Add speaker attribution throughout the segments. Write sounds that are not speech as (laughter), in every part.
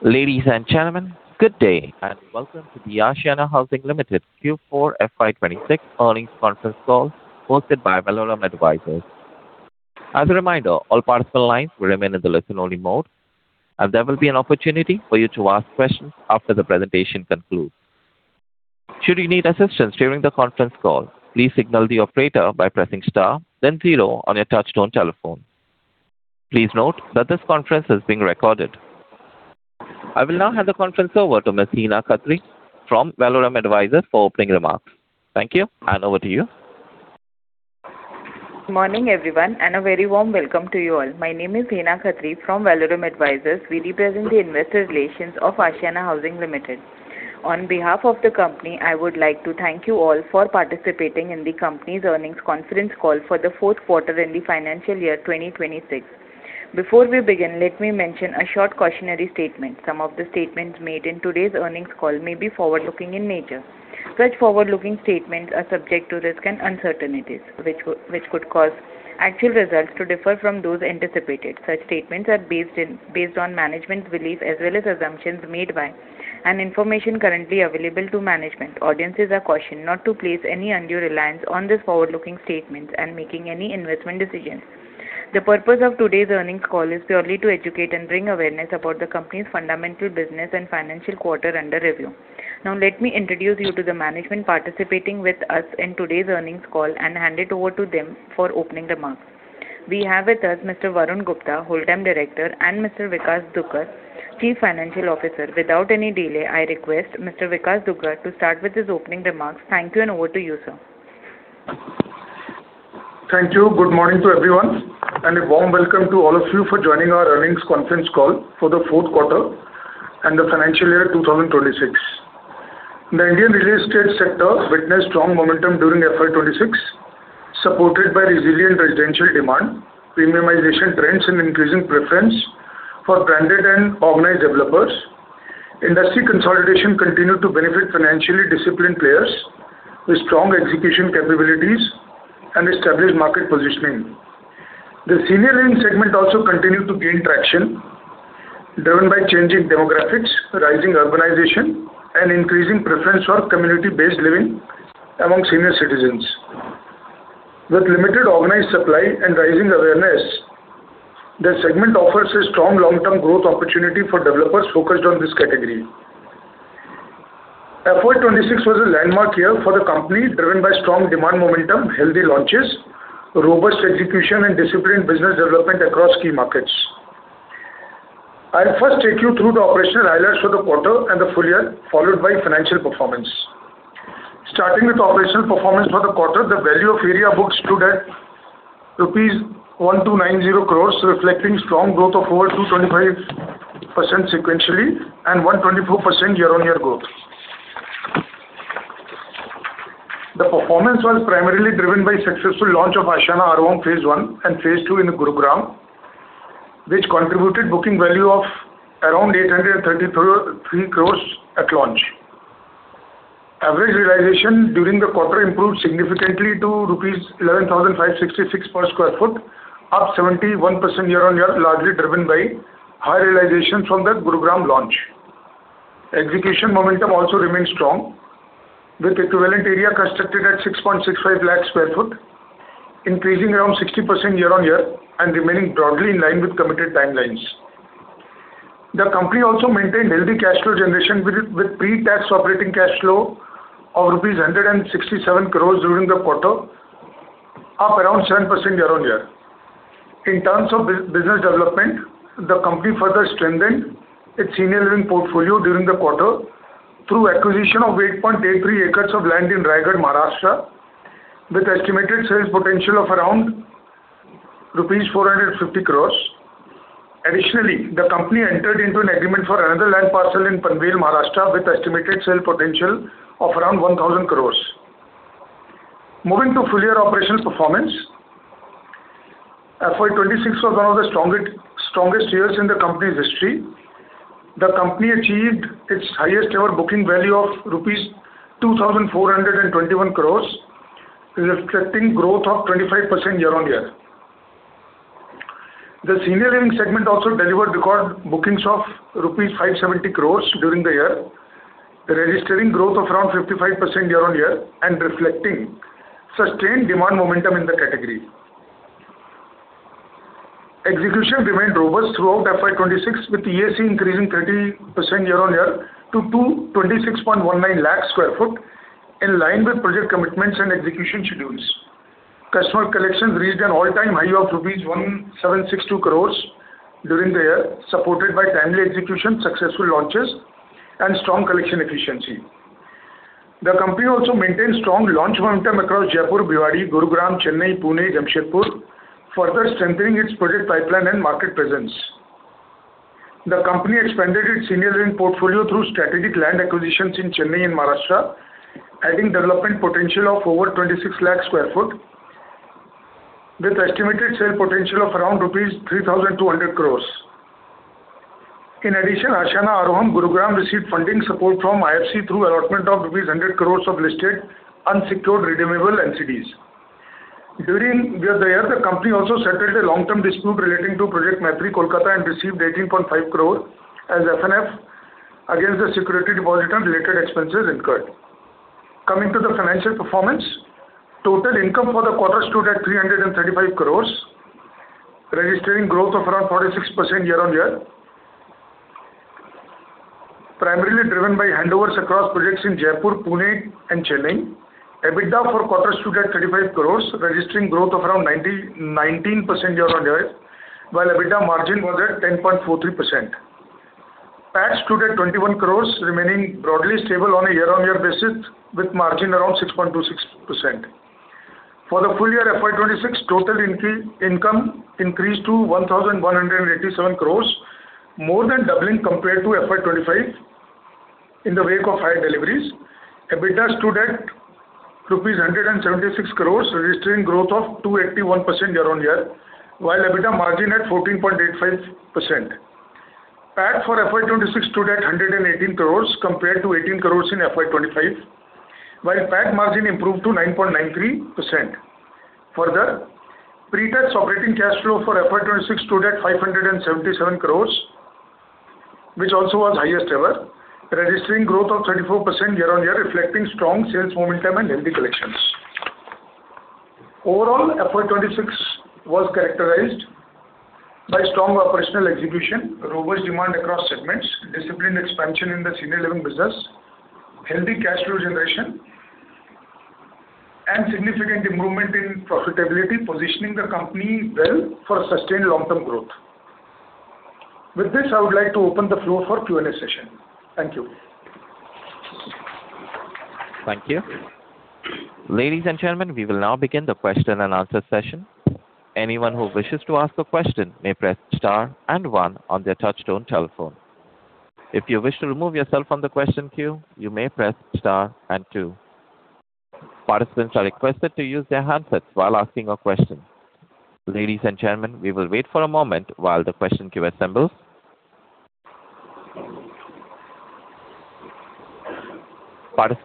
Speaker 1: Ladies and gentlemen, good day, and Welcome to the Ashiana Housing Limited Q4 FY 2026 Earnings Conference Call hosted by Valorem Advisors. As a reminder, all participant lines will remain in the listen-only mode, and there will be an opportunity for you to ask questions after the presentation concludes. Should you need assistance during the conference call, please signal the Operator by pressing star then zero on your touch-tone telephone. Please note that this conference is being recorded. I will now hand the conference over to Ms. Hena Khatri from Valorem Advisors for opening remarks. Thank you, and over to you.
Speaker 2: Morning, everyone. A very warm welcome to you all. My name is Hena Khatri from Valorem Advisors. We represent the Investor Relations of Ashiana Housing Limited. On behalf of the company, I would like to thank you all for participating in the company's earnings conference call for the fourth quarter in the financial year 2026. Before we begin, let me mention a short cautionary statement. Some of the statements made in today's earnings call may be forward-looking in nature. Such forward-looking statements are subject to risks and uncertainties, which could cause actual results to differ from those anticipated. Such statements are based on management's belief as well as assumptions made by and information currently available to management. Audiences are cautioned not to place any undue reliance on these forward-looking statements and making any investment decisions. The purpose of today's earnings call is purely to educate and bring awareness about the company's fundamental business and financial quarter under review. Now let me introduce you to the management participating with us in today's earnings call and hand it over to them for opening remarks. We have with us Mr. Varun Gupta, Whole Time Director, and Mr. Vikash Dugar, Chief Financial Officer. Without any delay, I request Mr. Vikash Dugar to start with his opening remarks. Thank you, and over to you, sir.
Speaker 3: Thank you. Good morning to everyone, and a warm welcome to all of you for joining our earnings conference call for the fourth quarter and the financial year 2026. The Indian real estate sector witnessed strong momentum during FY 2026, supported by resilient residential demand, premiumization trends, and increasing preference for branded and organized developers. Industry consolidation continued to benefit financially disciplined players with strong execution capabilities and established market positioning. The Senior Living segment also continued to gain traction, driven by changing demographics, rising urbanization, and increasing preference for community-based living among senior citizens. With limited organized supply and rising awareness, the segment offers a strong long-term growth opportunity for developers focused on this category. FY 2026 was a landmark year for the company, driven by strong demand momentum, healthy launches, robust execution, and disciplined business development across key markets. I'll first take you through the operational highlights for the quarter and the full year, followed by financial performance. Starting with operational performance for the quarter, the Value of Area Booked stood at rupees 1,290 crores, reflecting strong growth of over 225% sequentially, and 124% year-on-year growth. The performance was primarily driven by successful launch of Ashiana Aaroham phase I and phase II in Gurugram, which contributed booking value of around 833 crores at launch. Average realization during the quarter improved significantly to rupees 11,566 per sq ft, up 71% year-on-year, largely driven by high realization from the Gurugram launch. Execution momentum also remained strong, with Equivalent Area Constructed at 6.65 lakh sq ft, increasing around 60% year-on-year and remaining broadly in line with committed timelines. The company also maintained healthy cash flow generation with pre-tax operating cash flow of rupees 167 crores during the quarter, up around 7% year-on-year. In terms of business development, the company further strengthened its Senior Living portfolio during the quarter through acquisition of 8.83 acres of land in Raigad, Maharashtra, with estimated sales potential of around rupees 450 crores. Additionally, the company entered into an agreement for another land parcel in Panvel, Maharashtra, with estimated sale potential of around 1,000 crores. Moving to full-year operational performance, FY 2026 was one of the strongest years in the company's history. The company achieved its highest-ever booking value of rupees 2,421 crores, reflecting growth of 25% year-on-year. The Senior Living segment also delivered record bookings of rupees 570 crores during the year, registering growth of around 55% year-on-year and reflecting sustained demand momentum in the category. Execution remained robust throughout FY 2026, with EAC increasing 30% year-on-year to 226.19 lakh sq ft, in line with project commitments and execution schedules. Customer collections reached an all-time high of 1,762 crore during the year, supported by Timely Execution, Successful Launches, and Strong Collection Efficiency. The company also maintained strong launch momentum across Jaipur, Bhiwadi, Gurugram, Chennai, Pune, Jamshedpur, further strengthening its project pipeline and market presence. The company expanded its Senior Living portfolio through Strategic Land Acquisitions in Chennai and Maharashtra, adding development potential of over 26 lakh sq ft, with estimated sale potential of around rupees 3,200 crore. Ashiana Aaroham Gurugram received funding support from IFC through allotment of 100 crore of listed unsecured redeemable NCDs. During the year, the company also settled a long-term dispute relating to Project Maitree, Kolkata, and received 18.5 crore as F&F against the security deposit and related expenses incurred. Coming to the financial performance. Total income for the quarter stood at 335 crore, registering growth of around 46% year-on-year, primarily driven by handovers across projects in Jaipur, Pune, and Chennai. EBITDA for quarter stood at 35 crore, registering growth of around 19% year-on-year, while EBITDA margin was at 10.43%. PAT stood at 21 crores, remaining broadly stable on a year-on-year basis, with margin around 6.26%. For the full year FY 2026, total income increased to 1,187 crore, more than doubling compared to FY 2025 in the wake of higher deliveries. EBITDA stood at 176 crore, registering growth of 281% year-on-year, while EBITDA margin at 14.85%. PAT for FY 2026 stood at 118 crores compared to 18 crores in FY 2025, while PAT margin improved to 9.93%. Further, pre-tax operating cash flow for FY 2026 stood at 577 crores, which also was highest ever, registering growth of 34% year-on-year, reflecting strong sales momentum and healthy collections. Overall, FY 2026 was characterized by strong operational execution, robust demand across segments, disciplined expansion in the Senior Living business, healthy cash flow generation, and significant improvement in profitability, positioning the company well for sustained long-term growth. With this, I would like to open the floor for Q&A session. Thank you.
Speaker 1: Thank you. Ladies and gentlemen, we will now begin the question and answer session. Anyone who wishes to ask a question may press star and one on their touchtone telephone. If you wish to remove yourself from the question queue, you may press star and two. Participants are requested to use their handset while asking a question. Ladies and gentlemen, we will wait for a moment while the question queue assembles. We take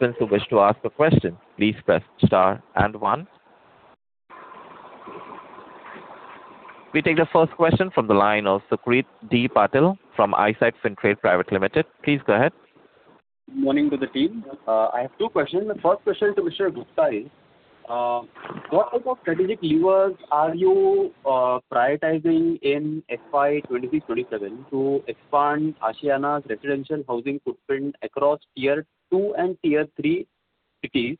Speaker 1: the first question from the line of Sucrit D. Patil from Eyesight Fintrade Private Limited. Please go ahead.
Speaker 4: Good morning to the team. I have two questions. The first question to Mr. Gupta is, what type of strategic levers are you prioritizing in FY 2027 to expand Ashiana's residential housing footprint across tier 2 and tier 3 cities,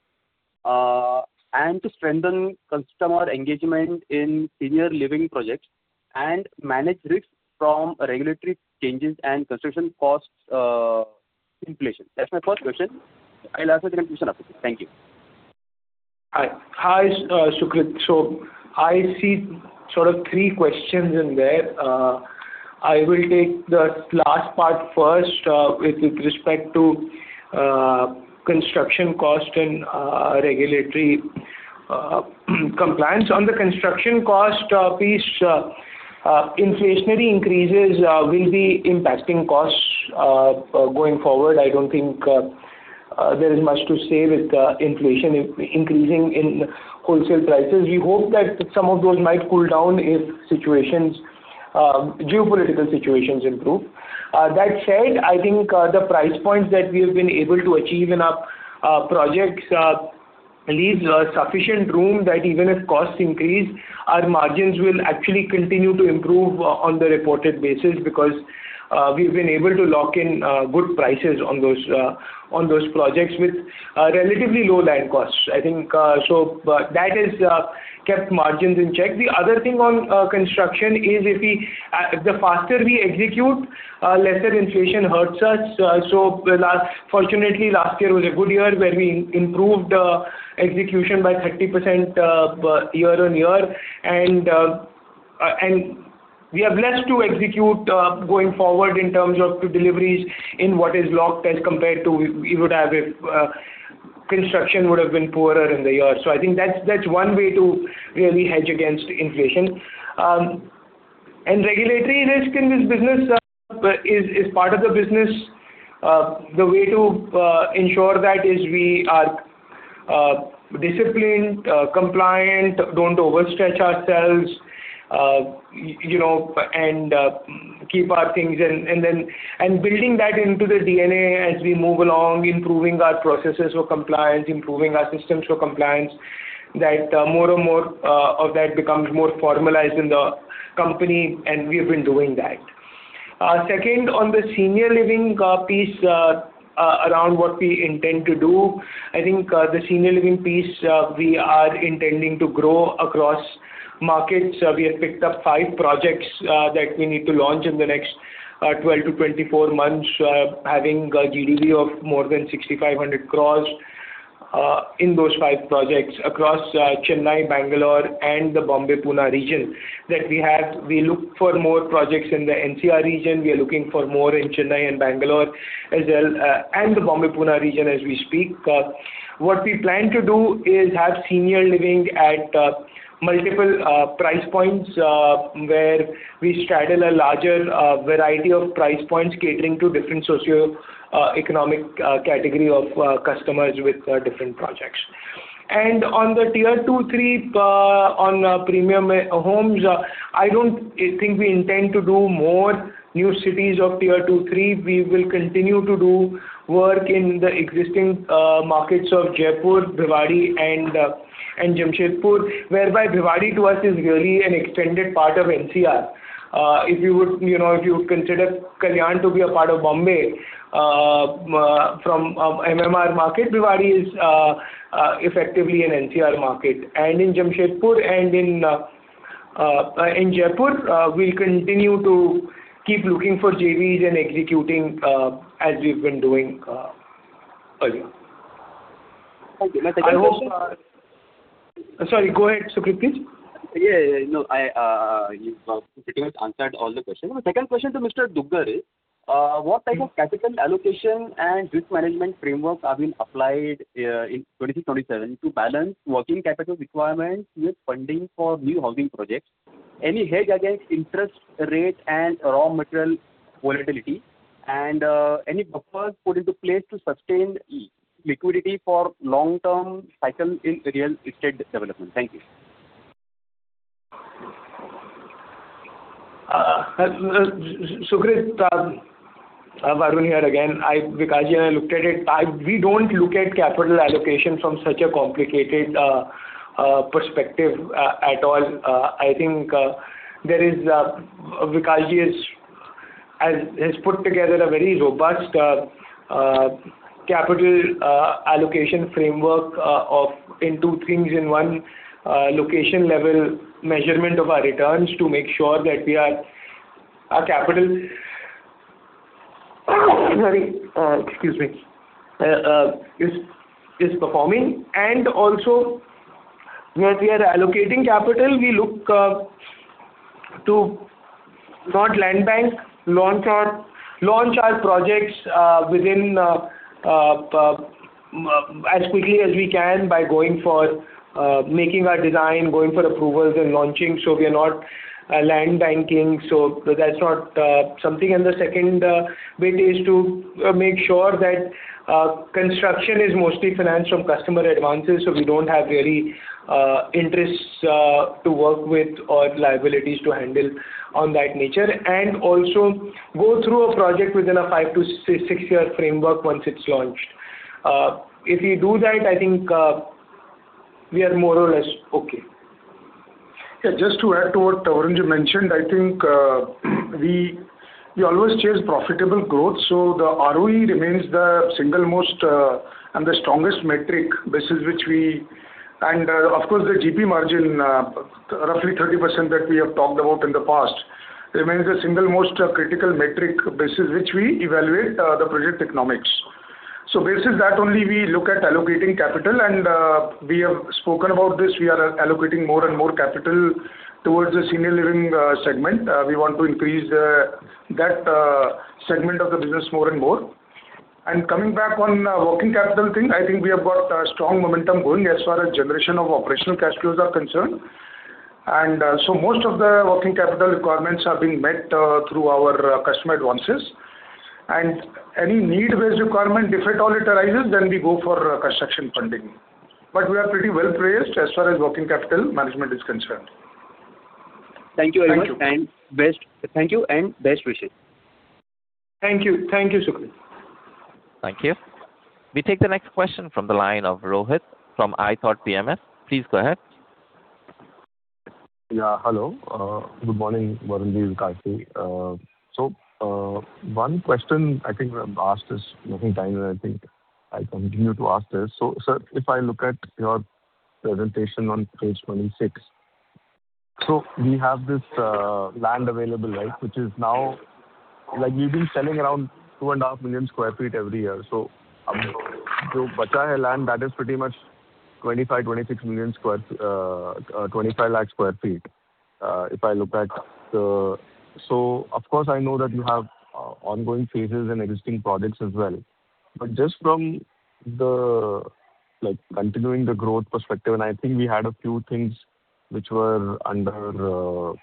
Speaker 4: and to strengthen customer engagement in Senior Living projects, and manage risks from regulatory changes and construction cost inflation? That's my first question. I'll ask the conclusion after. Thank you.
Speaker 5: Hi, Sucrit. I see sort of three questions in there. I will take the last part first with respect to construction cost and regulatory compliance. On the construction cost piece, inflationary increases will be impacting costs going forward. I don't think there is much to say with inflation increasing in wholesale prices. We hope that some of those might cool down if geopolitical situations improve. That said, I think the price points that we have been able to achieve in our projects leave sufficient room that even if costs increase, our margins will actually continue to improve on the reported basis because, we've been able to lock in good prices on those projects with relatively low land costs. That has kept margins in check. The other thing on construction is the faster we execute, lesser inflation hurts us. Fortunately, last year was a good year where we improved execution by 30% year-over-year. We are blessed to execute going forward in terms of deliveries in what is locked as compared to we would have if construction would have been poorer in the year. I think that's one way to really hedge against inflation. Regulatory risk in this business is part of the business. The way to ensure that is we are disciplined, compliant, don't overstretch ourselves, and keep our things in. Building that into the DNA as we move along, improving our processes for compliance, improving our systems for compliance, that more and more of that becomes more formalized in the company, and we have been doing that. Second, on the Senior Living piece, around what we intend to do, I think the Senior Living piece, we are intending to grow across markets. We have picked up five projects that we need to launch in the next 12 to 24 months, having a GDV of more than 6,500 crores in those five projects across Chennai, Bangalore, and the Bombay-Pune region. We look for more projects in the NCR region. We are looking for more in Chennai and Bangalore as well, and the Bombay-Pune region as we speak. What we plan to do is have Senior Living at multiple price points, where we straddle a larger variety of price points catering to different socioeconomic category of customers with different projects. On the Tier 2, 3 on Premium Homes, I don't think we intend to do more new cities of Tier 2, 3. We will continue to do work in the existing markets of Jaipur, Bhiwadi, and Jamshedpur, whereby Bhiwadi to us is really an extended part of NCR. If you consider Kalyan to be a part of Bombay from MMR market, Bhiwadi is effectively an NCR market. In Jamshedpur and in Jaipur, we'll continue to keep looking for JVs and executing as we've been doing earlier.
Speaker 4: Thank you. My second question.
Speaker 5: Sorry, go ahead, Sucrit, please.
Speaker 4: Yeah. You've pretty much answered all the questions. My second question to Mr. Dugar is, what type of capital allocation and risk management framework have been applied in 2026/2027 to balance working capital requirements with funding for new housing projects? Any hedge against interest rate and raw material volatility? Any buffers put into place to sustain liquidity for long-term cycles in real estate development? Thank you.
Speaker 5: Sucrit, Varun Gupta here again. Vikash and I looked at it. We don't look at capital allocation from such a complicated perspective at all. I think, there is, Vikash has put together a very robust capital allocation framework of, in two things. In one, location-level measurement of our returns to make sure that our capital, sorry, excuse me, is performing, and also where we are allocating capital, we look to not land bank, launch our projects as quickly as we can by making our design, going for approvals, and launching. We are not land banking, so that's not something. The second bit is to make sure that construction is mostly financed from customer advances, so we don't have really interests to work with or liabilities to handle on that nature. Also go through a project within a five to six-year framework once it's launched. If we do that, I think we are more or less okay.
Speaker 3: Just to add to what Varunji mentioned, I think we always chase profitable growth, so the ROE remains the single most and the strongest metric, (inaudible) and of course, the GP margin, roughly 30% that we have talked about in the past, remains the single most critical metric basis which we evaluate the project economics. Based on that only, we look at allocating capital, and we have spoken about this. We are allocating more and more capital towards the Senior Living segment. We want to increase that segment of the business more and more. Coming back on working capital thing, I think we have got a strong momentum going as far as generation of operational cash flows are concerned. Most of the working capital requirements are being met through our customer advances. Any need-based requirement, if at all it arises, then we go for construction funding. We are pretty well placed as far as working capital management is concerned.
Speaker 4: Thank you very much.
Speaker 3: Thank-
Speaker 4: Thank you, and Best wishes.
Speaker 3: Thank you, Sucrit.
Speaker 1: Thank you. We take the next question from the line of Rohit from ithoughtPMS. Please go ahead.
Speaker 6: Yeah, hello. Good morning, Varun, and Vikash. One question I think I've asked this many times, and I think I continue to ask this. Sir, if I look at your presentation on page 26. We have this land available, right? You've been selling around 2.5 million sq ft every year. The land that is pretty much 25 lakh sq ft. Of course, I know that you have ongoing phases and existing products as well. Just from continuing the growth perspective, and I think we had a few things which were under,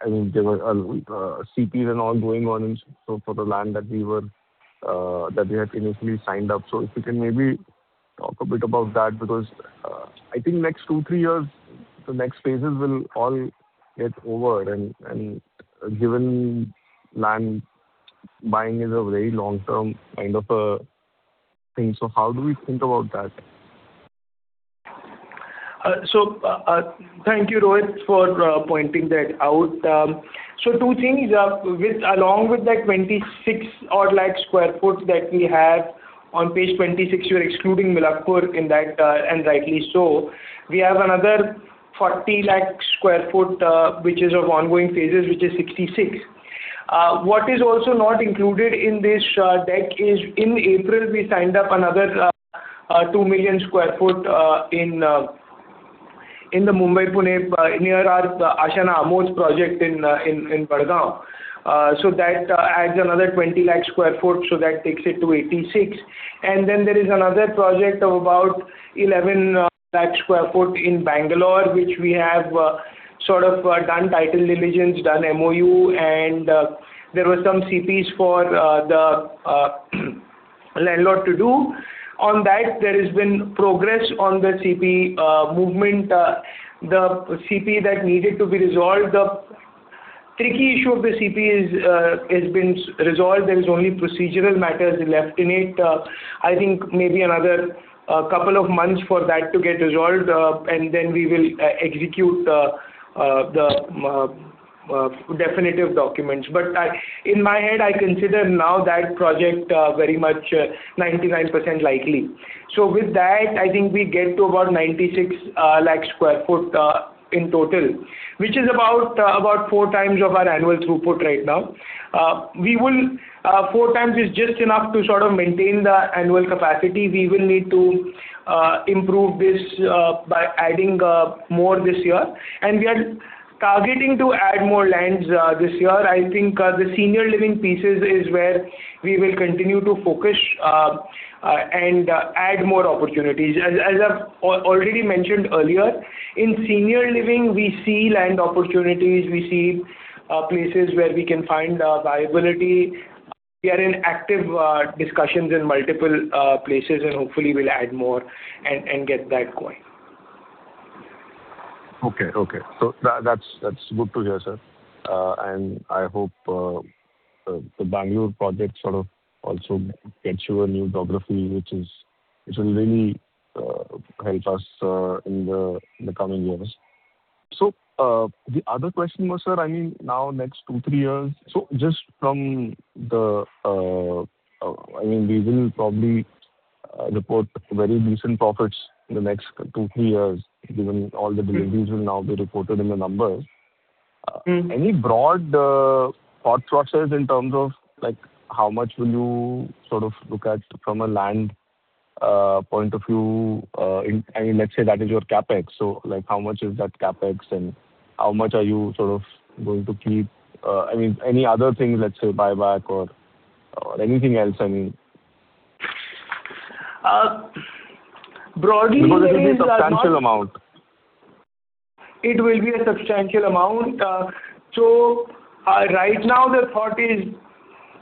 Speaker 6: I think there were CPs and all going on, for the land that we had initially signed up. If you can maybe talk a bit about that, because I think next two, three years, the next phases will all get over, and given land buying is a very long-term kind of a thing. How do we think about that?
Speaker 5: Thank you, Rohit, for pointing that out. Two things. Along with that 26 odd lakh sq ft that we have on page 26, you're excluding Milakpur in that, and rightly so. We have another 40 lakh sq ft, which is of ongoing phases, which is 66. What is also not included in this deck is, in April, we signed up another 2 million sq ft in the Mumbai-Pune near our Ashiana Amodh project in Wadgaon. That adds another 20 lakh sq ft, so that takes it to 86. There is another project of about 11 lakh sq ft in Bangalore, which we have sort of done title diligence, done MoU, and there were some CPs for the landlord to do. On that, there has been progress on the CP movement. The CP that needed to be resolved, the tricky issue of the CP has been resolved. There is only procedural matters left in it. I think maybe another couple of months for that to get resolved, and then we will execute the definitive documents. In my head, I consider now that project very much 99% likely. With that, I think we get to about 96 lakh sq ft in total, which is about four times of our annual throughput right now. 4x is just enough to sort of maintain the annual capacity. We will need to improve this by adding more this year, and we are targeting to add more lands this year. I think the Senior Living pieces is where we will continue to focus and add more opportunities. As I've already mentioned earlier, in Senior Living, we see land opportunities, we see places where we can find viability. We are in active discussions in multiple places, and hopefully we'll add more and get that going.
Speaker 6: Okay. That's good to hear, sir. I hope the Bangalore project sort of also gets you a new geography, which will really help us in the coming years. The other question was, sir, now next two, three years. We will probably report very decent profits in the next two, three years, given all the deliveries will now be reported in the numbers. Any broad thought process in terms like, how much will you sort of look at from a land point of view? Let's say that is your CapEx. How much is that CapEx, and how much are you sort of going to keep? Any other thing, let's say, buyback or anything else?
Speaker 5: Broadly-
Speaker 6: It will be a substantial amount.
Speaker 5: It will be a substantial amount. Right now the thought is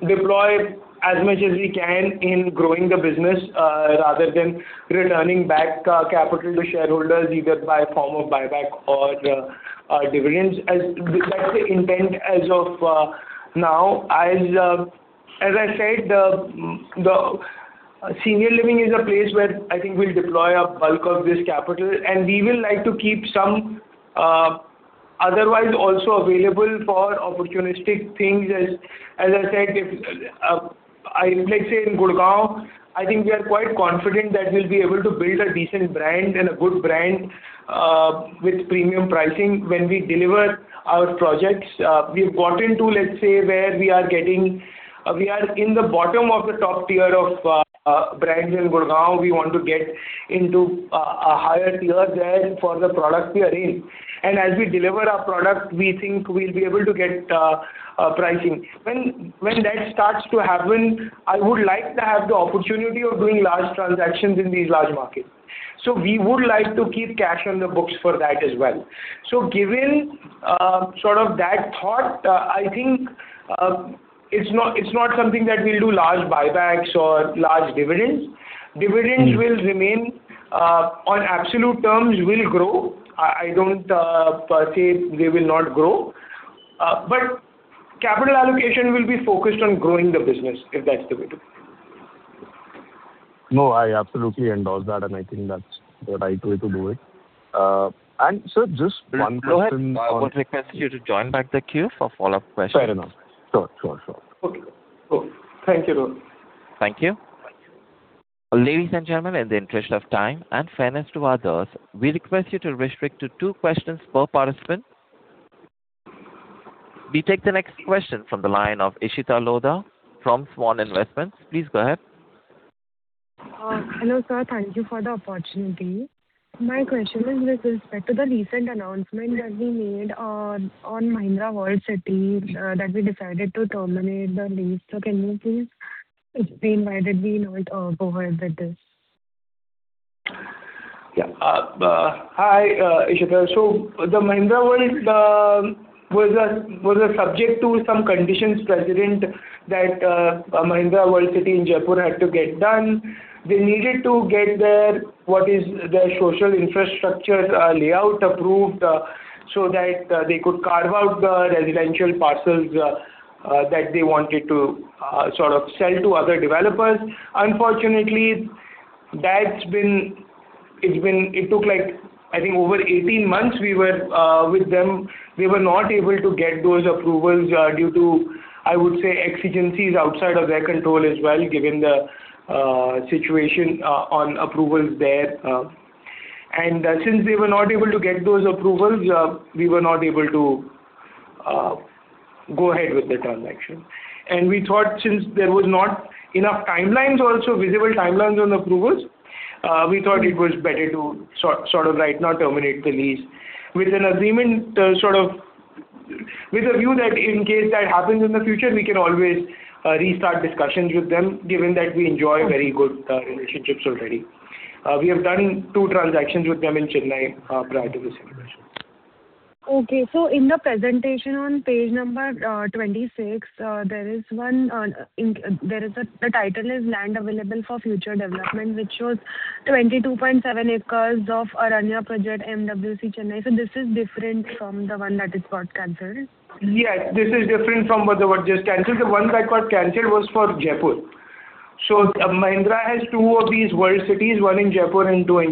Speaker 5: deploy as much as we can in growing the business, rather than returning back capital to shareholders, either by form of buyback or dividends. That's the intent as of now. As I said, the Senior Living is a place where I think we'll deploy a bulk of this capital, and we will like to keep some, otherwise also available for opportunistic things. As I said, let's say in Gurgaon, I think we are quite confident that we'll be able to build a decent brand and a good brand with premium pricing when we deliver our projects. We've got into, let's say, We are in the bottom of the top tier of brands in Gurgaon. We want to get into a higher tier there for the product we are in. As we deliver our product, we think we'll be able to get pricing. When that starts to happen, I would like to have the opportunity of doing large transactions in these large markets. We would like to keep cash on the books for that as well. Given sort of that thought, I think it's not something that we'll do large buybacks or large dividends. Dividends will remain, on absolute terms will grow. I don't (inaudible) they will not grow. But capital allocation will be focused on growing the business, if that's the way to put it.
Speaker 6: No, I absolutely endorse that. I think that's the right way to do it. Sir, just one question.
Speaker 1: Go ahead. I would request you to join back the queue for follow-up questions.
Speaker 6: Fair enough. Sure, sure, sure.
Speaker 5: Okay, cool.
Speaker 6: Thank you.
Speaker 1: Thank you. Ladies and gentlemen, in the interest of time and fairness to others, we request you to restrict to two questions per participant. We take the next question from the line of Ishita Lodha from Svan Investment. Please go ahead.
Speaker 7: Hello, sir. Thank you for the opportunity. My question is with respect to the recent announcement that we made on Mahindra World City, that we decided to terminate the lease. Can you please explain why did we not go ahead with this?
Speaker 3: Yeah. Hi, Ishita. The Mahindra World was a subject to some Conditions Precedent that Mahindra World City in Jaipur had to get done. They needed to get their, what is their social infrastructure layout approved so that they could carve out the residential parcels that they wanted to sort of sell to other developers. Unfortunately, that's been, it's been.. It took like, I think over 18 months we were with them. We were not able to get those approvals due to, I would say, exigencies outside of their control as well, given the situation on approvals there. Since we were not able to get those approvals, we were not able to go ahead with the transaction. We thought since there was not enough timelines also, visible timelines on approvals, we thought it was better to sort of right now terminate the lease with an agreement sort of, with a view that in case that happens in the future, we can always restart discussions with them, given that we enjoy very good relationships already. We have done two transactions with them in Chennai prior to this transaction.
Speaker 7: Okay. In the presentation on page 26, the title is Land Available for Future Development, which shows 22.7 acres of Aranya project, and the, (inaudible) Chennai. Is this different from the one that got canceled?
Speaker 3: Yes, this is different from what got canceled. The one that got canceled was for Jaipur. Mahindra has two of these World Cities, one in Jaipur and one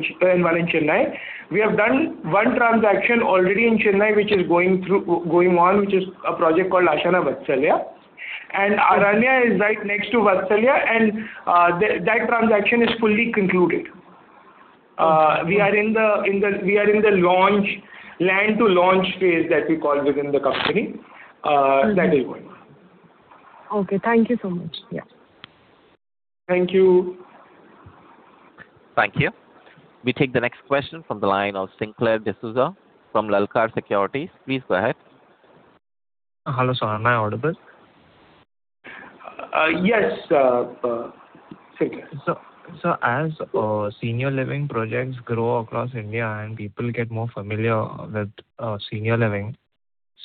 Speaker 3: in Chennai. We have done one transaction already in Chennai, which is going on, which is a project called Ashiana Vatsalya. Aranya is right next to Vatsalya, and that transaction is fully concluded. We are in the land to launch phase that we call within the company. That is going on.
Speaker 7: Okay. Thank you so much. Yeah.
Speaker 3: Thank you.
Speaker 1: Thank you. We take the next question from the line of Sinclair D'Souza from Lalkar Securities. Please go ahead.
Speaker 8: Hello, sir. Am I audible?
Speaker 5: Yes, Sinclair.
Speaker 8: Sir, as Senior Living projects grow across India and people get more familiar with Senior Living,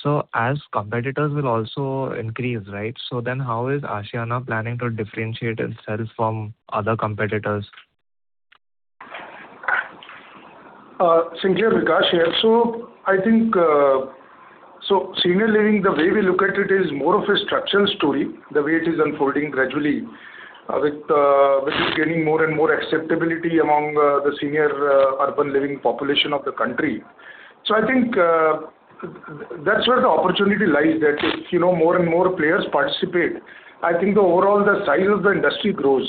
Speaker 8: so as competitors will also increase, right? How is Ashiana planning to differentiate itself from other competitors?
Speaker 3: Sinclair, Vikash here. Senior Living, the way we look at it, is more of a structural story, the way it is unfolding gradually with it gaining more and more acceptability among the senior urban living population of the country. I think that's where the opportunity lies, that if more and more players participate, I think the overall size of the industry grows.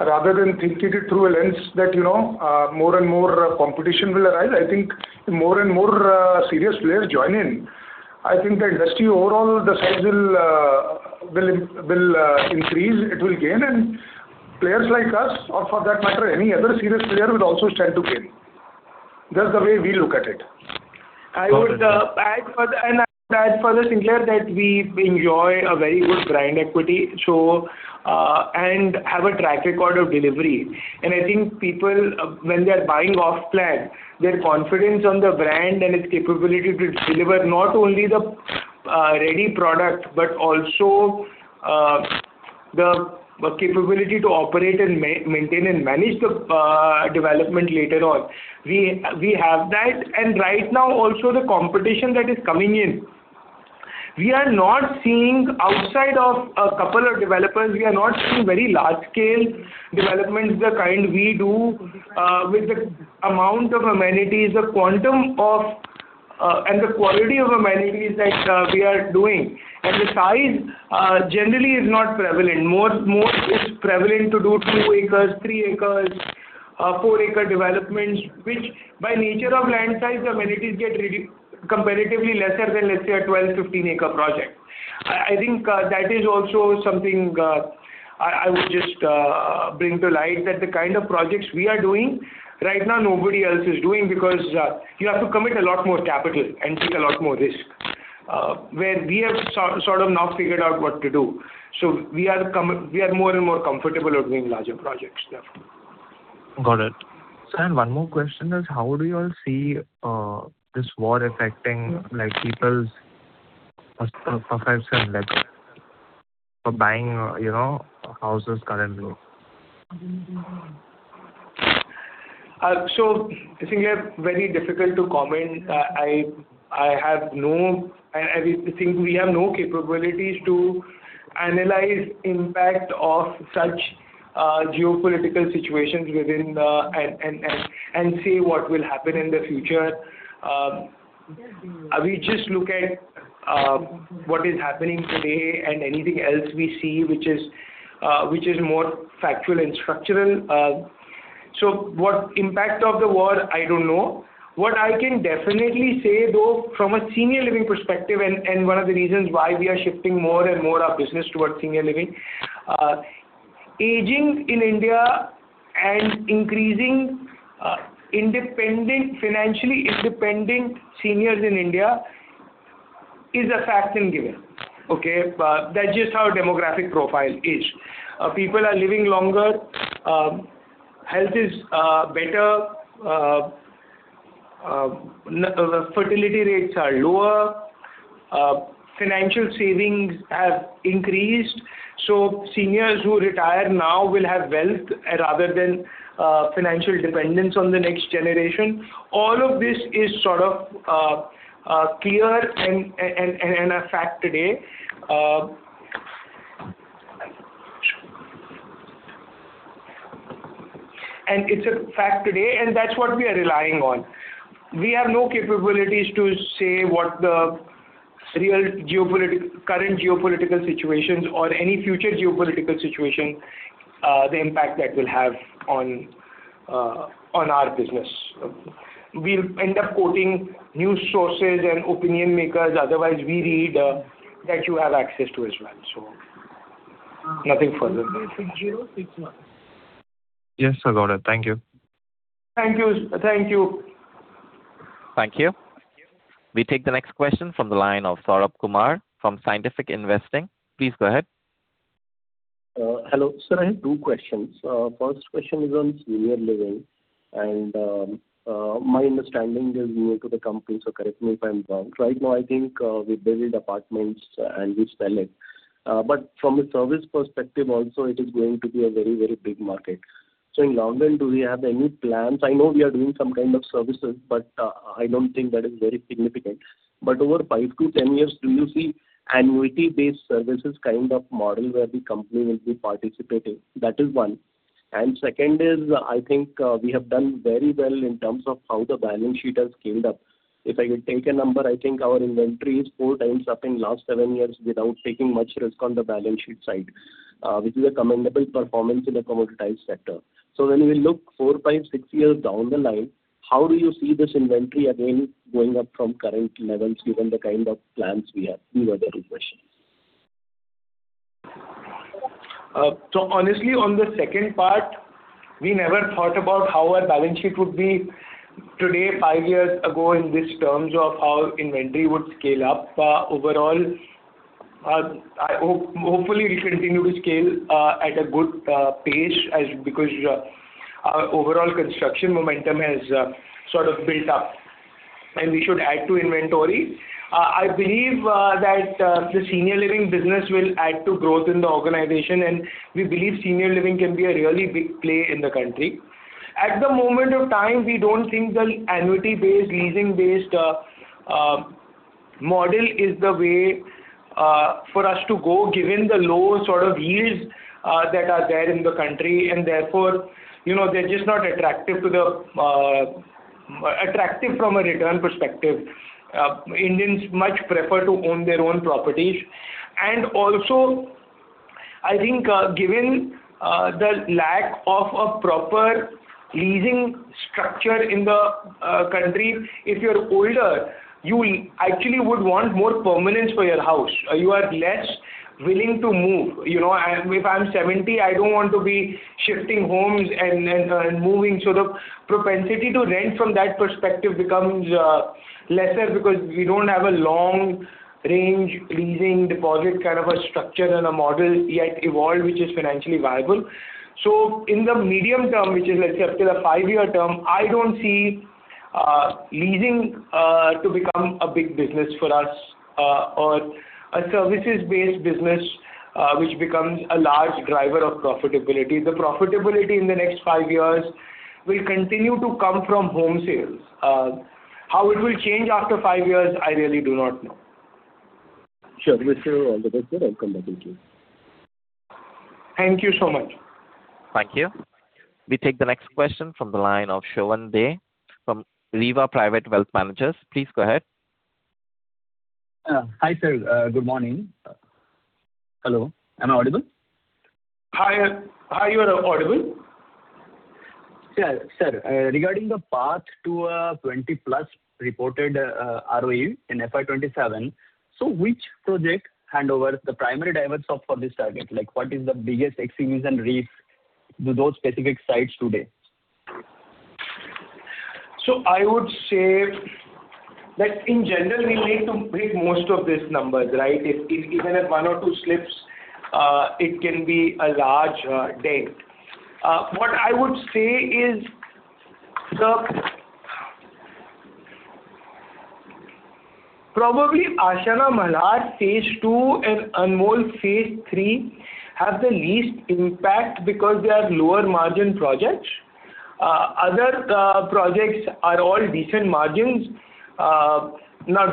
Speaker 3: Rather than thinking it through a lens that more and more competition will arise, I think more and more serious players join in. I think the industry overall, the size will increase, it will gain, and players like us, or for that matter, any other serious player, will also stand to gain. That's the way we look at it.
Speaker 5: I would add for the Sinclair that we enjoy a very good brand equity and have a track record of delivery. And, I think people, when they are buying off-plan, their confidence on the brand and its capability to deliver not only the ready product but also the capability to operate and maintain and manage the development later on. We have that, right now also the competition that is coming in. We are now seeing outside of a couple of developers, we are not seeing very large-scale developments, the kind we do with the amount of amenities, the quantum and the quality of amenities that we are doing. The size generally is not prevalent. More it's prevalent to do two acres, three acres, four-acre developments, which by nature of land size, amenities get comparatively lesser than, let's say, a 12, 15-acre project. I think that is also something I would just bring to light, that the kind of projects we are doing right now, nobody else is doing because you have to commit a lot more capital and take a lot more risk, where we have sort of now figured out what to do. We are more and more comfortable doing larger projects thereafter.
Speaker 8: Got it. Sir, one more question is, how do you all see this war affecting people's perception for buying houses currently?
Speaker 5: Sinclair, very difficult to comment. I think we have no capabilities to analyze impact of such geopolitical situations and say what will happen in the future. We just look at what is happening today and anything else we see which is more factual and structural. What impact of the war, I don't know. What I can definitely say, though, from a Senior Living perspective, and one of the reasons why we are shifting more and more our business towards Senior Living, aging in India and increasing in dependent financially, independent seniors in India is a fact and given. Okay? That's just how demographic profile is. People are living longer, health is better, fertility rates are lower, financial savings have increased. So, seniors who retire now will have wealth rather than financial dependence on the next generation. All of this is sort of clear and a fact today. It's a fact today, and that's what we are relying on. We have no capabilities to say what the real current geopolitical situations or any future geopolitical situation, the impact that will have on our business. We'll end up quoting news sources and opinion makers, otherwise we read that you have access to as well.
Speaker 8: Nothing further.
Speaker 5: 36061.
Speaker 8: Yes, I got it. Thank you.
Speaker 5: Thank you, thank you.
Speaker 1: Thank you. We take the next question from the line of Saurabh Kumar from Scientific Investing. Please go ahead.
Speaker 9: Hello. Sir, I have two questions. First question is on Senior Living, and my understanding is new to the company, so correct me if I'm wrong. Right now, I think we build apartments and we sell it. From a service perspective also it is going to be a very big market. In long run, do we have any plans? I know we are doing some kind of services, but I don't think that is very significant. But over five to 10 years, do you see annuity-based services kind of model where the company will be participating? That is one. Second is, I think we have done very well in terms of how the balance sheet has scaled up. If I take a number, I think our inventory is four times up in last seven years without taking much risk on the balance sheet side, which is a commendable performance in the commoditized sector. When we look four, five, six years down the line, how do you see this inventory again going up from current levels given the kind of plans we have? These were the two questions.
Speaker 5: Honestly, on the second part, we never thought about how our balance sheet would be today, five years ago, in these terms of how inventory would scale up. Overall, hopefully we continue to scale at a good pace, because our overall construction momentum has sort of built up, and we should add to inventory. I believe that the Senior Living business will add to growth in the organization, and we believe Senior Living can be a really big play in the country. At the moment of time, we don't think the annuity-based, leasing-based model is the way for us to go, given the low yields that are there in the country. Therefore, they're just not attractive from a return perspective. Indians much prefer to own their own properties. I think, given the lack of a proper leasing structure in the country, if you're older, you actually would want more permanence for your house. You are less willing to move. If I'm 70, I don't want to be shifting homes and moving. The propensity to rent from that perspective becomes lesser because we don't have a long-range leasing deposit kind of a structure and a model yet evolved, which is financially viable. In the medium term, which is, let's say, up to the five-year term, I don't see leasing to become a big business for us or a services-based business which becomes a large driver of profitability. The profitability in the next five years will continue to come from home sales. How it will change after five years, I really do not know.
Speaker 9: Sure. With all the best, sir. I'll come back with you.
Speaker 5: Thank you so much.
Speaker 1: Thank you. We take the next question from the line of [Shovan De] from RWA Private Wealth Managers. Please go ahead.
Speaker 10: Hi, sir. Good morning. Hello, am I audible?
Speaker 5: Hi. You are audible.
Speaker 10: Sir, regarding the path to a 20+ reported ROE in FY 2027, which project handover is the primary driver for this target? What is the biggest execution risk to those specific sites today?
Speaker 5: I would say that in general, we need to break most of these numbers, right? Even if one or two slips, it can be a large dent. What I would say is, probably Ashiana Malhar phase II, and Anmol phase III have the least impact because they are lower margin projects. Other projects are all decent margins.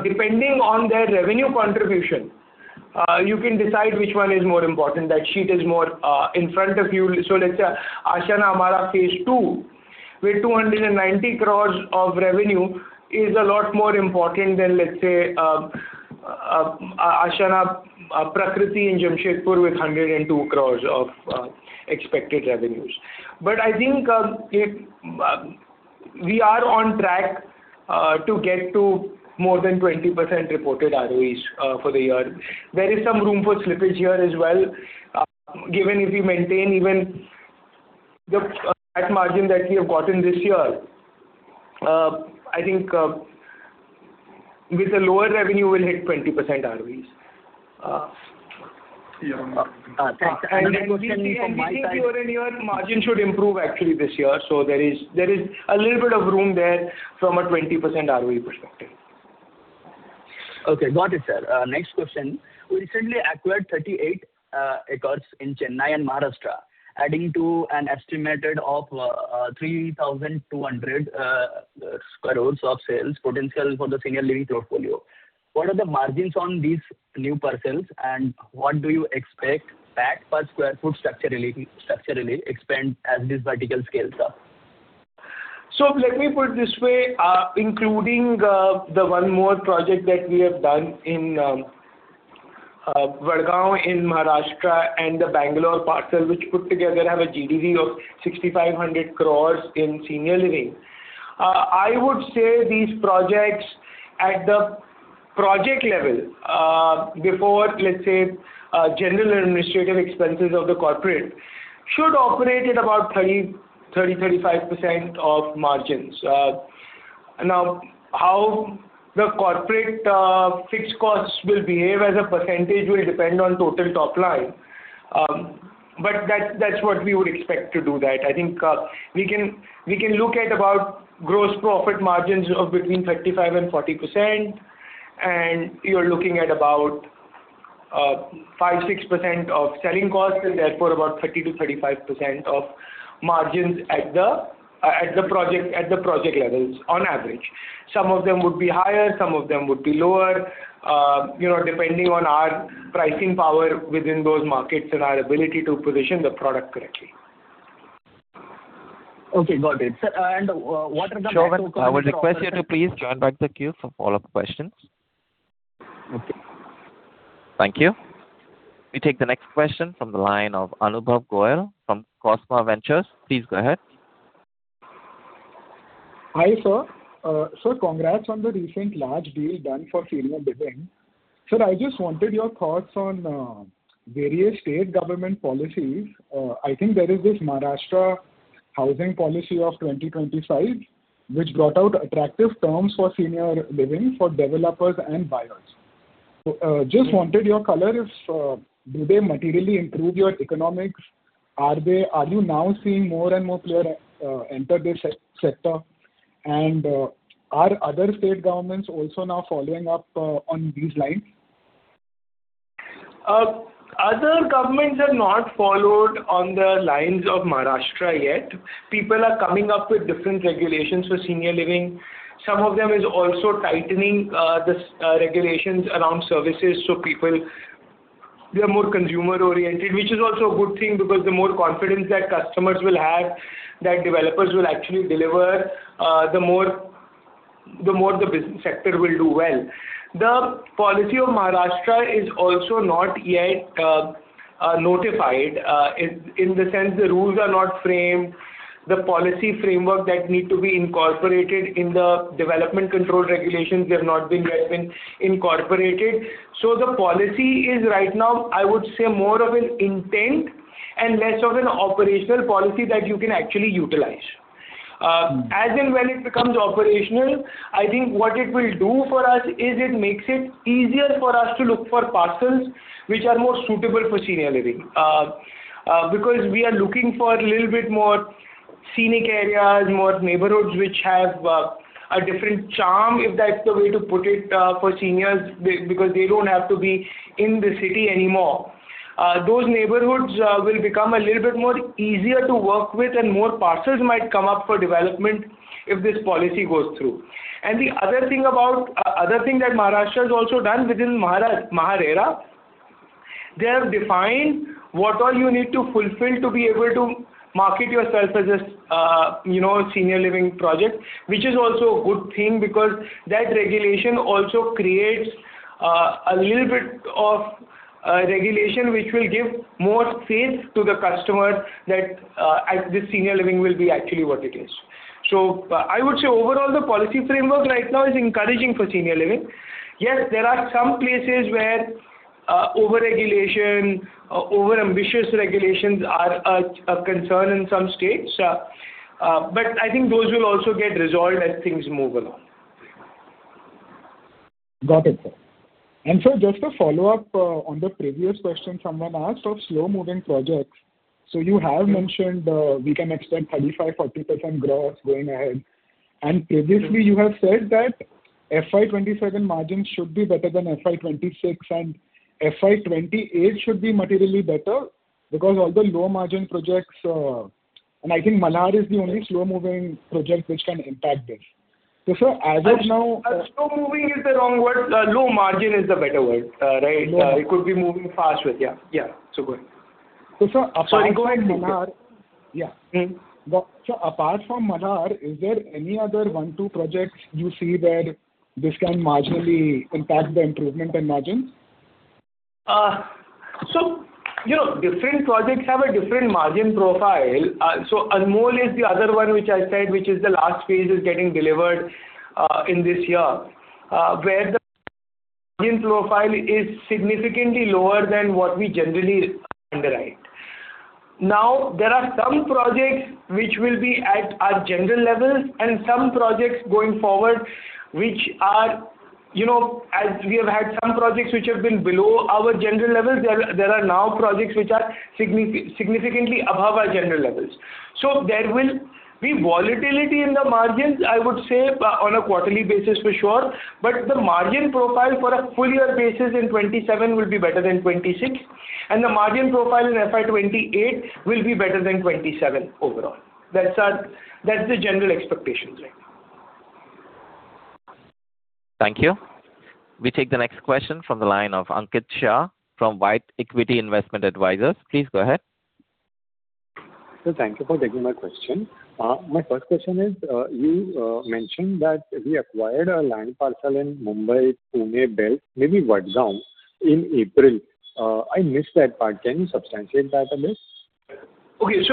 Speaker 5: Depending on their revenue contribution, you can decide which one is more important. That sheet is more in front of you. Let's say, Ashiana Malhar phase II, with 290 crores of revenue is a lot more important than, let's say, Ashiana Prakriti in Jamshedpur with 102 crore of expected revenues. I think we are on track to get to more than 20% reported ROEs for the year. There is some room for slippage here as well, given if we maintain even the tax margin that we have gotten this year. I think with a lower revenue, we'll hit 20% ROEs.
Speaker 9: Yeah.
Speaker 10: Thanks.
Speaker 5: We think year-on-year margin should improve actually this year. There is a little bit of room there from a 20% ROE perspective.
Speaker 10: Okay. Got it, sir. Next question. You recently acquired 38 acres in Chennai and Maharashtra, adding to an estimated of 3,200 crores of sales potential for the Senior Living portfolio. What are the margins on these new parcels, and what do you expect back per square foot structurally expand as this vertical scales up?
Speaker 5: Let me put it this way, including the one more project that we have done in Wadgaon in Maharashtra and the Bangalore parcel, which put together have a GDV of 6,500 crores in Senior Living. I would say these projects at the project level, before, let's say, general administrative expenses of the corporate, should operate at about 30%-35% of margins. How the corporate fixed costs will behave as a percentage will depend on total top line. That's what we would expect to do that. We can look at about gross profit margins of between 35%-40%, and you're looking at about 5%-6% of selling costs and therefore about 30%-35% of margins at the project levels on average. Some of them would be higher, some of them would be lower, depending on our pricing power within those markets and our ability to position the product correctly.
Speaker 10: Okay, got it. Sir, what are the.
Speaker 1: [Shovan], I would request you to please join back the queue for follow-up questions.
Speaker 10: Okay.
Speaker 1: Thank you. We take the next question from the line of Anubhav Goel from Cosma Ventures. Please go ahead.
Speaker 11: Hi, sir. Sir, congrats on the recent large deal done for Senior Living. Sir, I just wanted your thoughts on various state government policies. I think there is this Maharashtra Housing Policy of 2025, which brought out attractive terms for Senior Living for developers and buyers. Just wanted your color if, do they materially improve your economics? Are you now seeing more and more players enter this sector? Are other state governments also now following up on these lines?
Speaker 5: Other governments have not followed on the lines of Maharashtra yet. People are coming up with different regulations for Senior Living. Some of them is also tightening these regulations around services, so people, they are more consumer-oriented, which is also a good thing, because the more confidence that customers will have that developers will actually deliver, the more the business sector will do well. The policy of Maharashtra is also not yet notified, in the sense the rules are not framed. The policy framework that need to be incorporated in the development control regulations have not yet been incorporated. The policy is right now, I would say, more of an intent and less of an operational policy that you can actually utilize. As and when it becomes operational, I think what it will do for us is it makes it easier for us to look for parcels which are more suitable for Senior Living. Because we are looking for a little bit more scenic areas, more neighborhoods which have a different charm, if that's the way to put it, for seniors, because they don't have to be in the city anymore. Those neighborhoods will become a little bit more easier to work with and more parcels might come up for development if this policy goes through. The other thing that Maharashtra has also done within MahaRERA, they have defined what all you need to fulfill to be able to market yourself as a Senior Living project. Which is also a good thing because that regulation also creates a little bit of regulation which will give more faith to the customer that this Senior Living will be actually what it is. I would say overall, the policy framework right now is encouraging for Senior Living. Yes, there are some places where over-regulation, overambitious regulations are a concern in some states. I think those will also get resolved as things move along.
Speaker 11: Got it, sir. Sir, just a follow-up on the previous question someone asked of slow-moving projects. You have mentioned we can expect 35%-40% growth going ahead. Previously you have said that FY 2027 margins should be better than FY 2026, and FY 2028 should be materially better because all the low-margin projects, and I think Malhar is the only slow-moving project which can impact this. Sir, as of now.
Speaker 5: Slow-moving is the wrong word. Low margin is the better word. Right?
Speaker 11: Low margin.
Speaker 5: It could be moving fast with. Yeah. Go ahead.
Speaker 11: Sir, apart from Malhar.
Speaker 5: Sorry, go ahead.
Speaker 11: Apart from Malhar, is there any other one, two projects you see where this can marginally impact the improvement in margins?
Speaker 5: Different projects have a different margin profile. So, Anmol is the other one which I said, which is the last phase is getting delivered in this year. Where the margin profile is significantly lower than what we generally underwrite. Now, there are some projects which will be at our general levels, and some projects going forward. As we have had some projects which have been below our general levels, there are now projects which are significantly above our general levels. There will be volatility in the margins, I would say, on a quarterly basis for sure, but the margin profile for a full year basis in 2027 will be better than 2026. The margin profile in FY 2028 will be better than 2027 overall. That's the general expectations right now.
Speaker 1: Thank you. We take the next question from the line of Ankit Shah from White Equity Investment Advisors. Please go ahead.
Speaker 12: Sir, thank you for taking my question. My first question is, you mentioned that we acquired a land parcel in Mumbai, Pune belt, maybe Wadgaon in April. I missed that part. Can you substantiate that a bit?
Speaker 5: We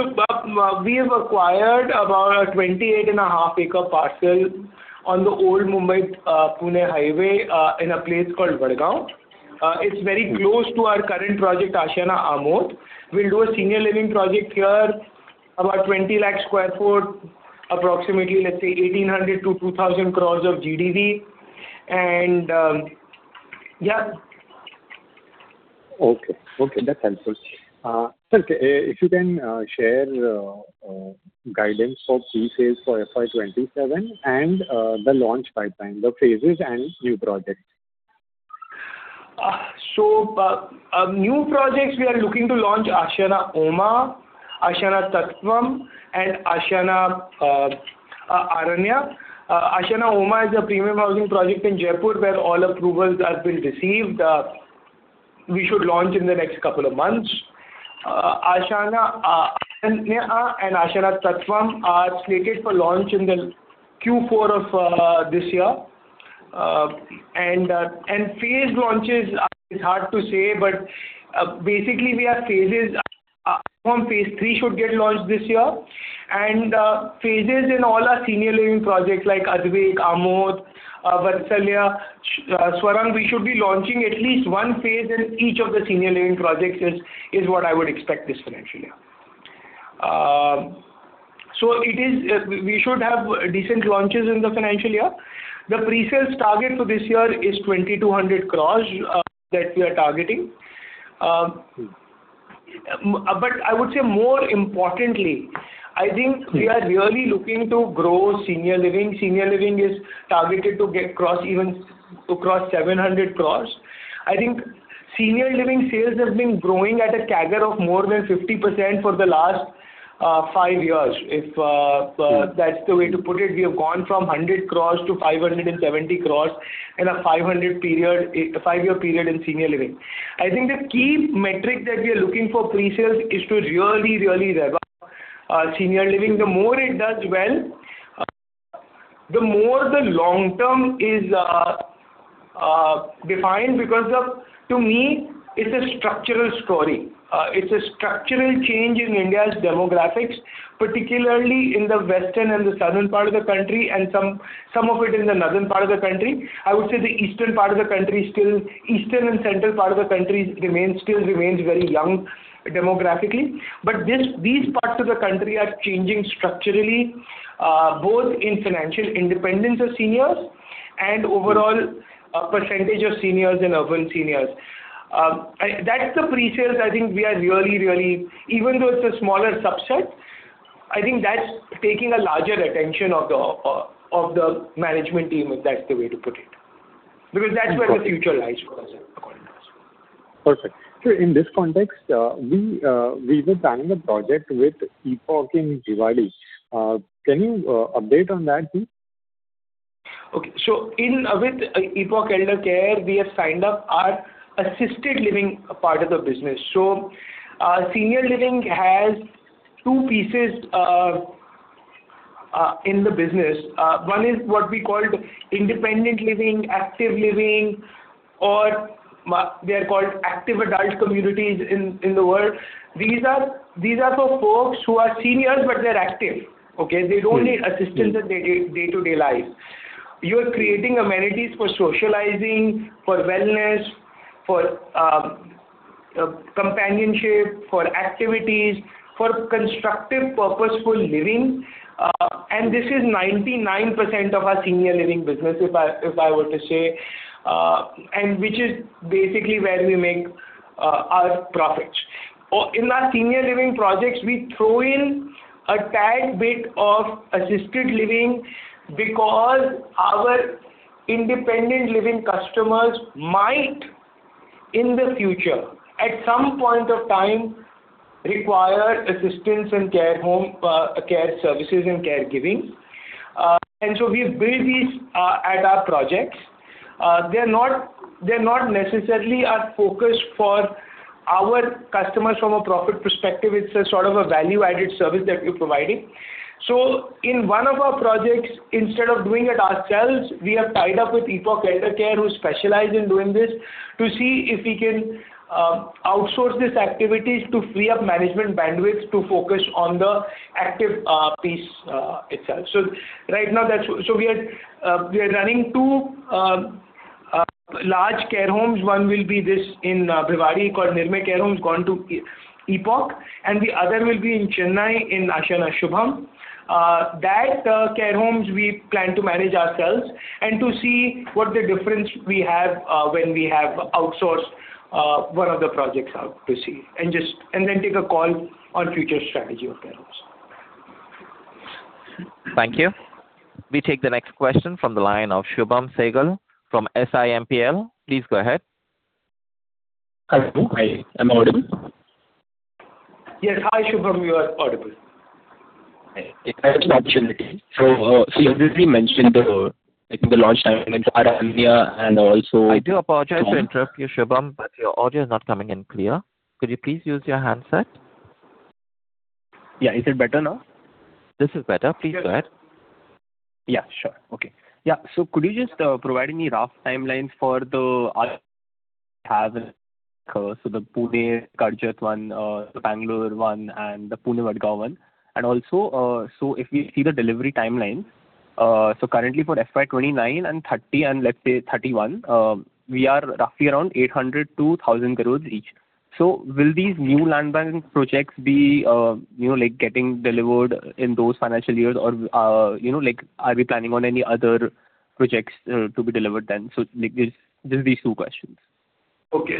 Speaker 5: have acquired about a 28.5 acres parcel on the old Mumbai-Pune Highway, in a place called Wadgaon. It's very close to our current project, Ashiana Amodh. We'll do a Senior Living project here, about 20 lakh sq ft, approximately, let's say 1,800-2,000 crores of GDV. yeah.
Speaker 12: Okay. That's helpful. Sir, if you can share guidance for pre-sales for FY 2027 and the launch pipeline, the phases and new projects.
Speaker 5: New projects we are looking to launch Ashiana Oma, Ashiana Tattvam and Ashiana Aranya. Ashiana Oma is a premium housing project in Jaipur where all approvals have been received. We should launch in the next couple of months. Ashiana, (inaudible) And Ashiana Tattvam are slated for launch in the Q4 of this year. Phase launches, it's hard to say, but basically we have phases. (inaudible) phase III should get launched this year. Phases in all our Senior Living projects like Advik, Amodh, Vatsalya, Swarang, we should be launching at least one phase in each of the Senior Living projects is what I would expect this financial year. We should have decent launches in the financial year. The pre-sales target for this year is 2,200 crore, that we are targeting. I would say more importantly, I think we are really looking to grow Senior Living. Senior Living is targeted to cross 700 crore. I think Senior Living sales have been growing at a CAGR of more than 50% for the last five years. If that's the way to put it. We have gone from 100 crore to 570 crore in a five-year period in Senior Living. I think the key metric that we are looking for pre-sales is to really rev up Senior Living. The more it does well, the more the long term is defined because to me, it's a structural story. It's a structural change in India's demographics, particularly in the western and the southern part of the country and some of it in the northern part of the country. I would say the eastern part of the country still, eastern and central part of the country still remains very young demographically. These parts of the country are changing structurally, both in financial independence of seniors and overall percentage of seniors and urban seniors. That's the pre-sales I think we are really, even though it's a smaller subset, I think that's taking a larger attention of the management team, if that's the way to put it. That's where the future lies for us, according to us.
Speaker 12: Perfect. Sir, in this context, we were planning a project with Epoch in Bhiwadi. Can you update on that too?
Speaker 5: Okay. With Epoch Elder Care, we have signed up our assisted living part of the business. Senior Living has two pieces in the business. One is what we call independent living, active living, or they are called active adult communities in the world. These are for folks who are seniors, but they're active. Okay? They don't need assistance in day-to-day life. You are creating amenities for socializing, for wellness, for companionship, for activities, for constructive, purposeful living. This is 99% of our Senior Living business, if I were to say, and which is basically where we make our profits. In our Senior Living projects, we throw in a tad bit of assisted living because our independent living customers might, in the future, at some point of time, require assistance in care home care services and caregiving. We've built these at our projects. They're not necessarily our focus for our customers from a profit perspective. It's a sort of a value-added service that we're providing. In one of our projects, instead of doing it ourselves, we have tied up with Epoch Elder Care, who specialize in doing this, to see if we can outsource these activities to free up management bandwidth to focus on the active piece itself. Right now, we are running two large care homes. One will be this in Bhiwadi called Nirmay Care Home, gone to Epoch, and the other will be in Chennai in Ashiana Shubham. That care homes we plan to manage ourselves, and to see what the difference we have when we have outsourced one of the projects out to see. Then take a call on future strategy of care homes.
Speaker 1: Thank you. We take the next question from the line of Shubham Sehgal from SIMPL. Please go ahead.
Speaker 13: Hello. Hi. Am I audible?
Speaker 5: Yes. Hi, Shubham. You are audible.
Speaker 13: Thanks for the opportunity. You previously mentioned the launch timing of Aranya.
Speaker 1: I do apologize to interrupt you, Shubham, but your audio is not coming in clear. Could you please use your handset?
Speaker 13: Yeah. Is it better now?
Speaker 1: This is better. Please go ahead.
Speaker 13: Yeah, sure. Okay. Yeah. Could you just provide any rough timelines for the Pune, Karjat one, the Bangalore one, and the Pune, Vadgaon one? If we see the delivery timelines, currently for FY 2029 and 2030, and let's say 2031, we are roughly around 800-1,000 crores each. Will these new land banking projects be getting delivered in those financial years? Are we planning on any other projects to be delivered then? Just these two questions.
Speaker 5: Okay.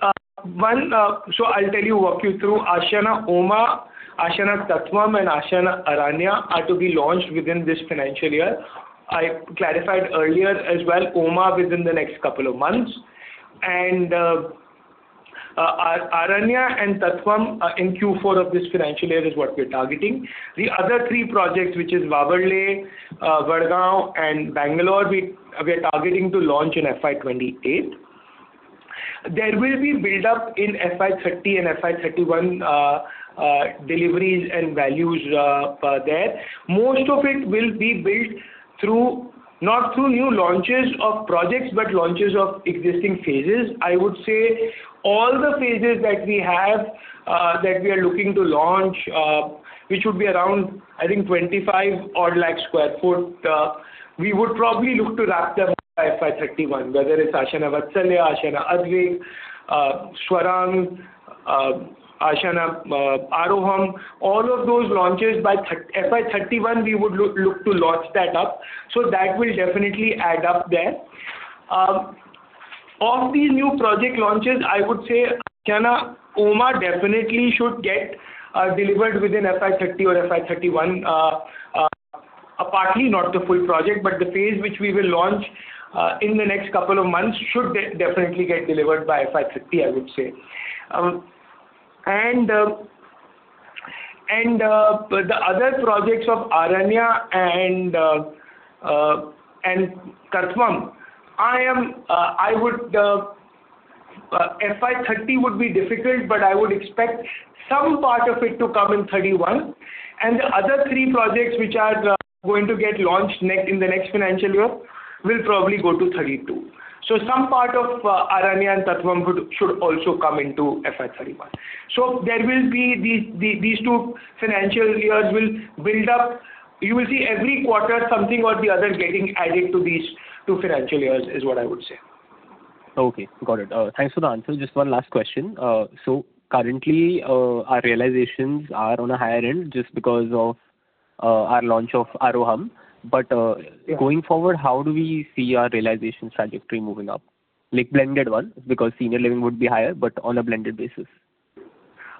Speaker 5: I'll walk you through. Ashiana Oma, Ashiana Tattvam, and Ashiana Aranya are to be launched within this financial year. I clarified earlier as well, Oma within the next couple of months. Aranya and Tattvam in Q4 of this financial year is what we're targeting. The other three projects, which is Wagholi, Wadgaon, and Bangalore, we are targeting to launch in FY 2028. There will be build-up in FY 2030 and FY 2031 deliveries and values there. Most of it will be built not through new launches of projects, but launches of existing phases. I would say all the phases that we have that we are looking to launch, which would be around, I think, 25-odd lakh square foot, we would probably look to wrap them by FY 2031, whether it's Ashiana Vatsalya, Ashiana Advik, Swarang, Ashiana Aaroham. All of those launches by FY 2031, we would look to launch that up. That will definitely add up there. Of these new project launches, I would say Ashiana Oma definitely should get delivered within FY 2030 or FY 2031. Partly, not the full project, but the phase which we will launch in the next couple of months should definitely get delivered by FY 2030, I would say. The other projects of Aranya and Tattvam, FY 2030 would be difficult, but I would expect some part of it to come in 2031. The other three projects which are going to get launched in the next financial year will probably go to 2032. Some part of Aranya and Tattvam should also come into FY 2031. These two financial years will build up. You will see every quarter something or the other getting added to these two financial years, is what I would say.
Speaker 13: Okay, got it. Thanks for the answer. Just one last question. Currently, our realizations are on a higher end just because of our launch of Aaroham. Going forward, how do we see our realization trajectory moving up? Like blended one, because Senior Living would be higher, but on a blended basis.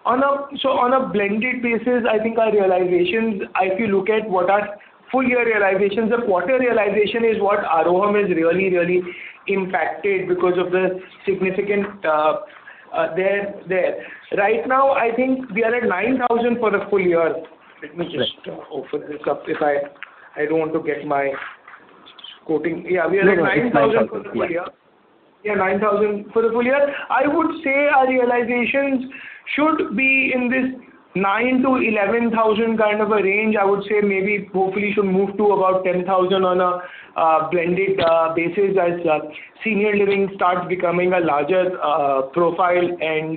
Speaker 5: On a blended basis, I think our realizations, if you look at what our full year realizations of quarter realization is what Aaroham has really impacted because of the significant there. Right now, I think we are at 9,000 for the full year.
Speaker 3: Let me just open this up.
Speaker 5: Yeah, we are at 9,000 for the full year. I would say our realizations should be in this 9,000-11,000 kind of a range. I would say maybe hopefully it should move to about 10,000 on a blended basis as Senior Living starts becoming a larger profile and,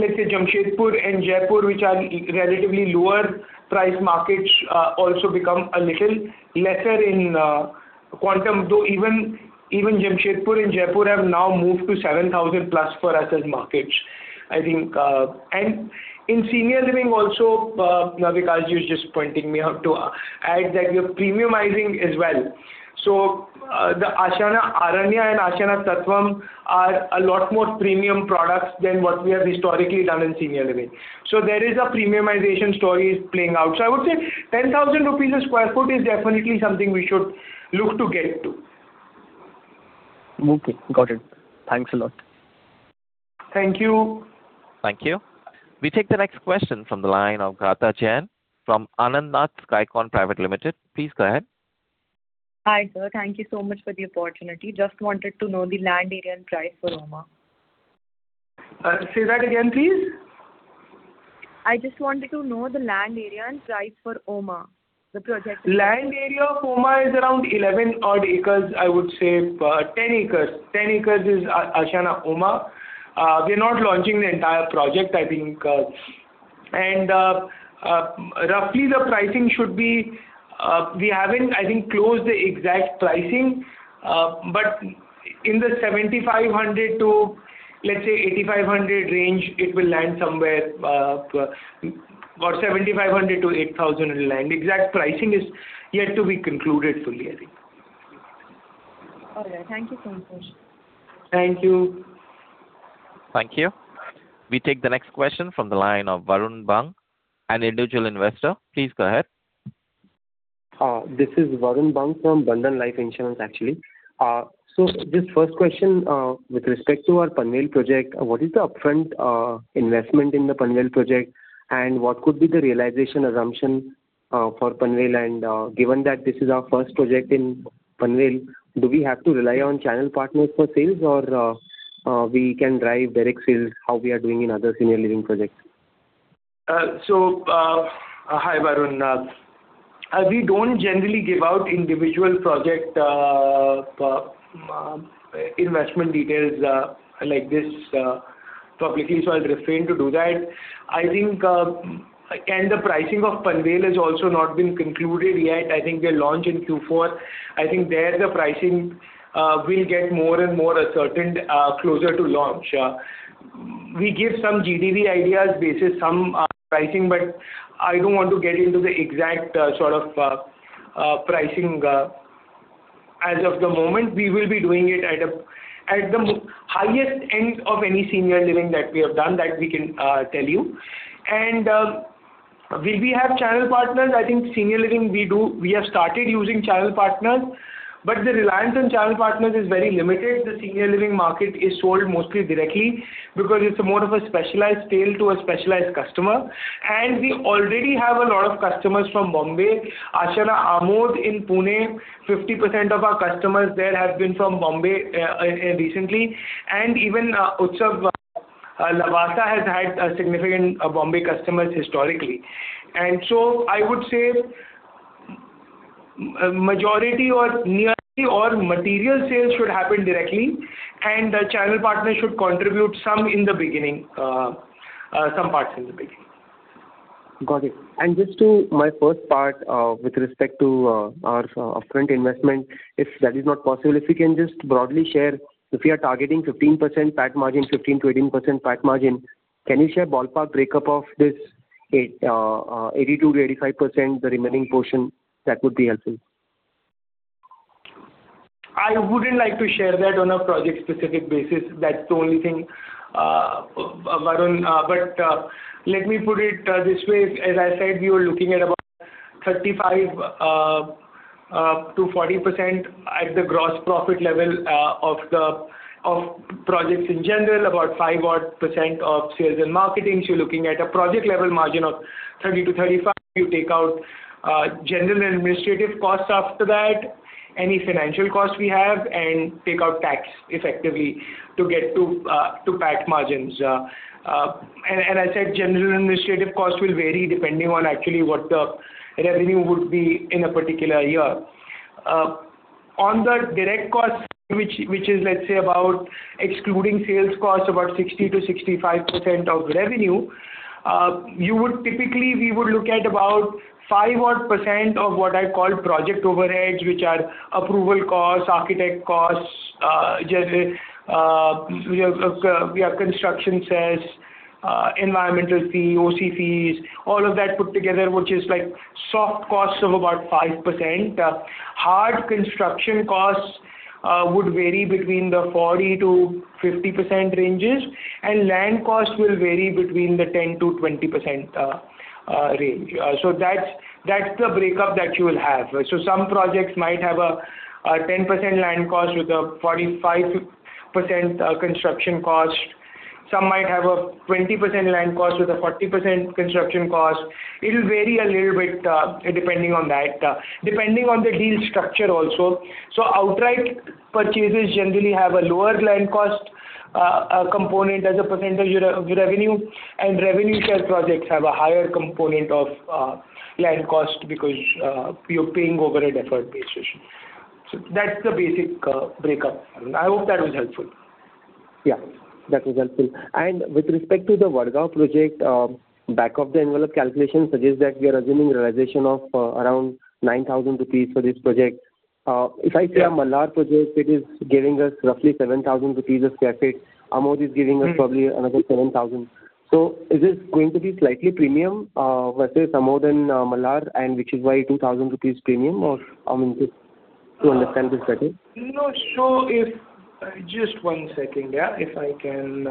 Speaker 5: let's say Jamshedpur and Jaipur, which are relatively lower price markets also become a little lesser in quantum, though even Jamshedpur and Jaipur have now moved to 7,000 plus for us as markets, I think. In Senior Living also, now Vikash is just pointing me out to add that we're premiumizing as well. The Ashiana Aranya and Ashiana Tattvam are a lot more premium products than what we have historically done in Senior Living. There is a premiumization story playing out. I would say 10,000 rupees a square foot is definitely something we should look to get to.
Speaker 13: Okay, got it. Thanks a lot.
Speaker 5: Thank you.
Speaker 1: Thank you. We take the next question from the line of Gatha Jain from Anantnath Skycon Private Limited. Please go ahead.
Speaker 14: Hi, sir. Thank you so much for the opportunity. Just wanted to know the land area and price for Oma.
Speaker 5: Say that again, please.
Speaker 14: I just wanted to know the land area and price for Oma, the project.
Speaker 5: Land area of Oma is around 11 odd acres, I would say. 10 acres is Ashiana Oma. We're not launching the entire project, I think. Roughly the pricing should be, we haven't, I think, closed the exact pricing. In the 7,500-8,500 range, it will land somewhere. About 7,500-8,000 it will land. Exact pricing is yet to be concluded fully, I think.
Speaker 14: All right. Thank you so much, sir.
Speaker 5: Thank you.
Speaker 1: Thank you. We take the next question from the line of Varun Bang, an Individual Investor. Please go ahead.
Speaker 15: This is Varun Bang from Bandhan Life Insurance, actually. This first question with respect to our Panvel project, what is the upfront investment in the Panvel project, what could be the realization assumption for Panvel? Given that this is our first project in Panvel, do we have to rely on channel partners for sales or we can drive direct sales how we are doing in other Senior Living projects.
Speaker 5: Hi, Varun. We don't generally give out individual project investment details like this publicly, so I'll refrain to do that. I think, the pricing of Panvel has also not been concluded yet. I think they'll launch in Q4. I think there the pricing will get more and more ascertained closer to launch. We give some GDV ideas basis some pricing, but I don't want to get into the exact sort of pricing as of the moment. We will be doing it at the highest end of any Senior Living that we have done, that we can tell you. Will we have channel partners? I think Senior Living we have started using channel partners, but the reliance on channel partners is very limited. The Senior Living market is sold mostly directly because it's more of a specialized sale to a specialized customer, we already have a lot of customers from Bombay. Ashiana Amodh in Pune, 50% of our customers there have been from Bombay recently, even Utsav Lavasa has had significant Bombay customers historically. I would say majority or nearly all material sales should happen directly, and the channel partners should contribute some parts in the beginning.
Speaker 15: Got it. Just to my first part with respect to our upfront investment, if that is not possible, if you can just broadly share, if we are targeting 15% PAT margin, 15%-18% PAT margin, can you share ballpark breakup of this 82%-85%, the remaining portion, that would be helpful.
Speaker 5: I wouldn't like to share that on a project-specific basis. That's the only thing, Varun. Let me put it this way. As I said, we were looking at about 35%-40% at the gross profit level of projects in general, about 5-odd percent of sales and marketing. You're looking at a project-level margin of 30%-35%. You take out general and administrative costs after that, any financial costs we have, and take out tax effectively to get to PAT margins. I said, general administrative costs will vary depending on actually what the revenue would be in a particular year. On the direct costs, which is, let's say about excluding sales costs, about 60%-65% of revenue, typically, we would look at about 5-odd% of what I call project overheads, which are approval costs, architect costs, we have construction cess, environmental fee, OC fees, all of that put together, which is like soft costs of about 5%. Hard construction costs would vary between the 40%-50% ranges, and land costs will vary between the 10%-20% range. That's the breakup that you will have. Some projects might have a 10% land cost with a 45% construction cost. Some might have a 20% land cost with a 40% construction cost. It will vary a little bit depending on that. Depending on the deal structure also. Outright purchases generally have a lower land cost component as a percentage of revenue, and revenue share projects have a higher component of land cost because you're paying overhead effort basis. That's the basic breakup. I hope that was helpful.
Speaker 15: Yeah, that was helpful. With respect to the Wadgaon project, back of the envelope calculation suggests that we are assuming realization of around 9,000 rupees for this project. If I see our Malhar project, it is giving us roughly 7,000 rupees a square feet. Amodh is giving us probably another 7,000. Is this going to be slightly premium versus Amodh and Malhar and which is why 2,000 rupees premium? Or, I mean, just to understand this better.
Speaker 5: Just one second. If I can.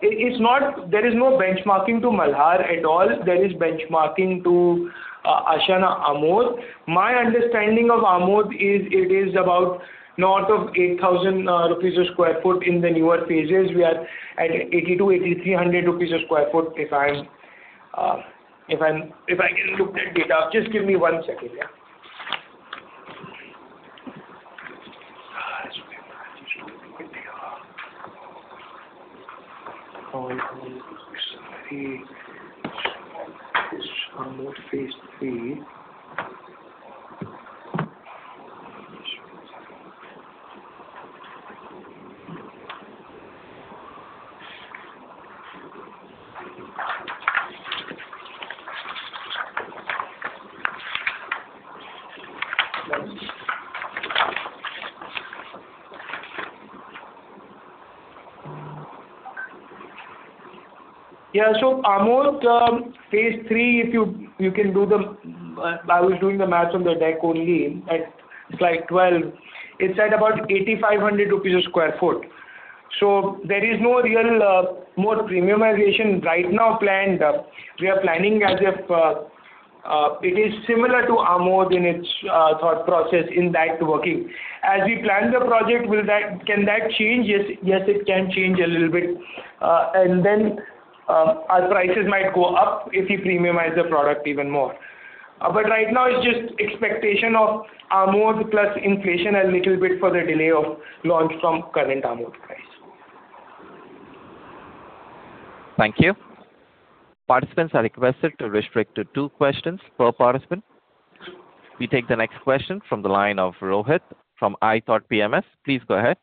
Speaker 5: There is no benchmarking to Malhar at all. There is benchmarking to Ashiana Amodh. My understanding of Amodh is it is about north of 8,000 rupees sq ft in the newer phases. We are at 8,200, 8,300 rupees sq ft. If I can look that data up, just give me one second. Amodh phase III. Yeah. Amodh phase III, I was doing the maths on the deck only at slide 12. It's at about 8,500 rupees a square foot. There is no real more premiumization right now planned. We are planning as if it is similar to Amodh in its thought process in that working. As we plan the project, can that change? Yes, it can change a little bit. And then, our prices might go up if we premiumize the product even more. Right now, it's just expectation of Amodh plus inflation, and little bit for the delay of launch from current Amodh price.
Speaker 1: Thank you. Participants are requested to restrict to two questions per participant. We take the next question from the line of Rohit from ithoughtPMS. Please go ahead.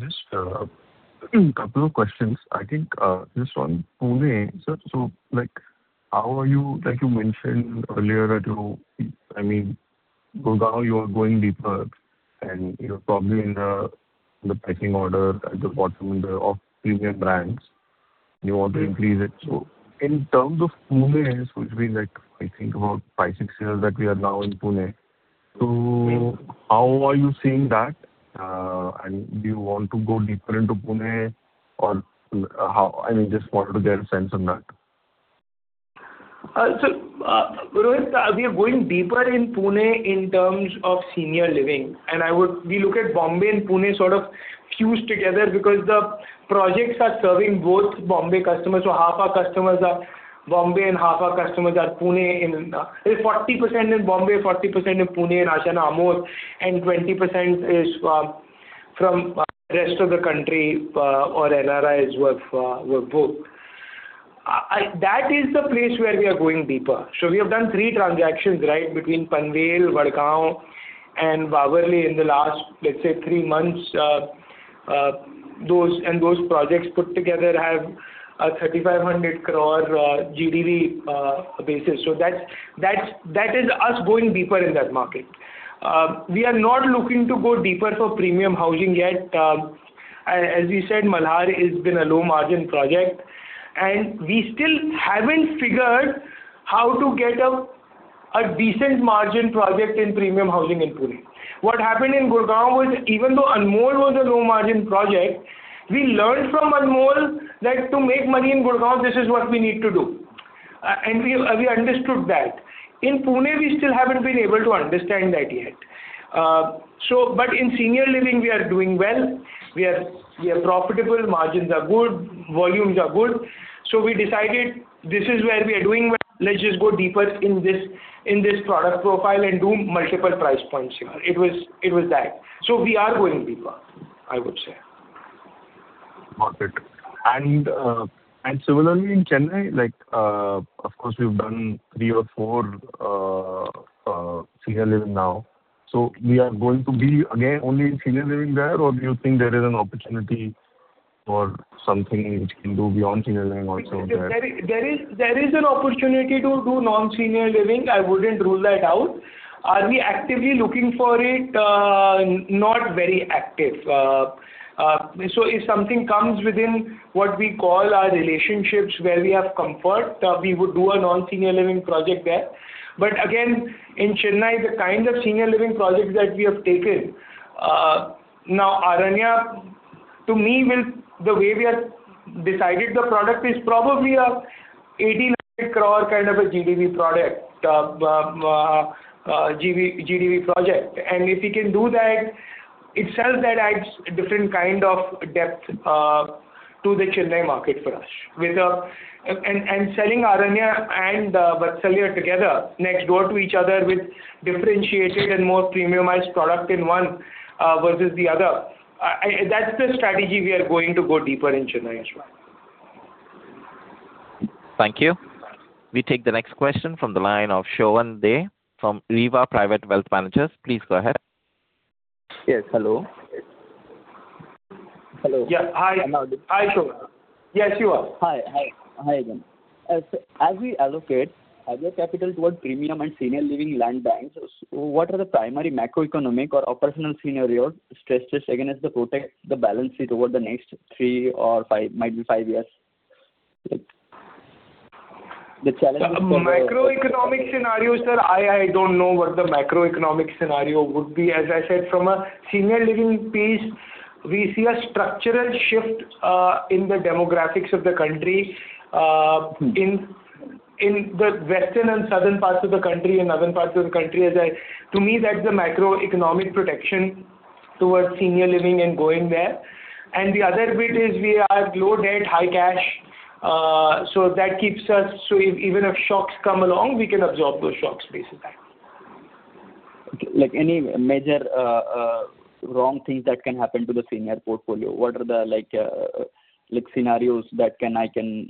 Speaker 6: Just a couple of questions. I think, just on Pune, sir. You mentioned earlier that, Gurgaon, you are going deeper and probably in the pecking order at the bottom of premium brands, you want to increase it. In terms of Pune, which means I think about five, six years that we are now in Pune. How are you seeing that? Do you want to go deeper into Pune or how? I just wanted to get a sense on that.
Speaker 5: Rohit, we are going deeper in Pune in terms of Senior Living. We look at Bombay and Pune sort of fused together because the projects are serving both Bombay customers. Half our customers are Bombay, and half our customers are Pune. 40% in Bombay, 40% in Pune in Ashiana Amodh, 20% is from rest of the country or NRIs were booked. That is the place where we are going deeper. We have done three transactions between Panvel, Wadgaon, and Wagholi in the last, let's say, three months, those projects put together have a 3,500 crore GDV basis. That is us going deeper in that market. We are not looking to go deeper for premium housing yet. As we said, Malhar has been a low-margin project, we still haven't figured how to get a decent margin project in premium housing in Pune. What happened in Gurgaon was, even though Anmol was a low-margin project, we learned from Anmol that to make money in Gurgaon, this is what we need to do. We understood that. In Pune, we still haven't been able to understand that yet. In Senior Living, we are doing well. We are profitable, margins are good, volumes are good. We decided this is where we are doing well, let's just go deeper in this product profile and do multiple price points here. It was that. We are going deeper, I would say.
Speaker 6: Got it. And similarly, in Chennai, of course, we've done three or four Senior Living now. We are going to be again, only in Senior Living there, or do you think there is an opportunity for something which can go beyond Senior Living also there?
Speaker 5: There is an opportunity to do non-Senior Living. I wouldn't rule that out. Are we actively looking for it? Not very active. If something comes within what we call our relationships where we have comfort, we would do a non-Senior Living project there. Again, in Chennai, the kind of Senior Living projects that we have taken. Now, Aranya, to me, the way we have decided the product is probably a 8,900 crore kind of a GDV project. If we can do that, itself that adds a different kind of depth to the Chennai market for us. Selling Aranya and Vatsalya together next door to each other with differentiated and more premiumized product in one, versus the other, that's the strategy we are going to go deeper in Chennai as well.
Speaker 1: Thank you. We take the next question from the line of [Shovan De] from RWA Private Wealth Managers. Please go ahead.
Speaker 10: Yes. Hello?
Speaker 5: Yeah. Hi, [Shovan]. Yes, [Shovan].
Speaker 10: Hi, again. As we allocate heavier capital towards premium and Senior Living land banks, what are the primary macroeconomic or operational scenario stresses against the balance sheet over the next three or might be five years? Like the challenges?
Speaker 5: The macroeconomic scenario, sir, I don't know what the macroeconomic scenario would be. As I said, from a Senior Living piece, we see a structural shift in the demographics of the country, in the western and southern parts of the country, and northern parts of the country. To me, that's the macroeconomic protection towards Senior Living and going there. The other bit is we are low debt, high cash. That keeps us, so even if shocks come along, we can absorb those shocks based on that.
Speaker 10: Okay. Any major wrong things that can happen to the senior portfolio? What are the, like, scenarios that I can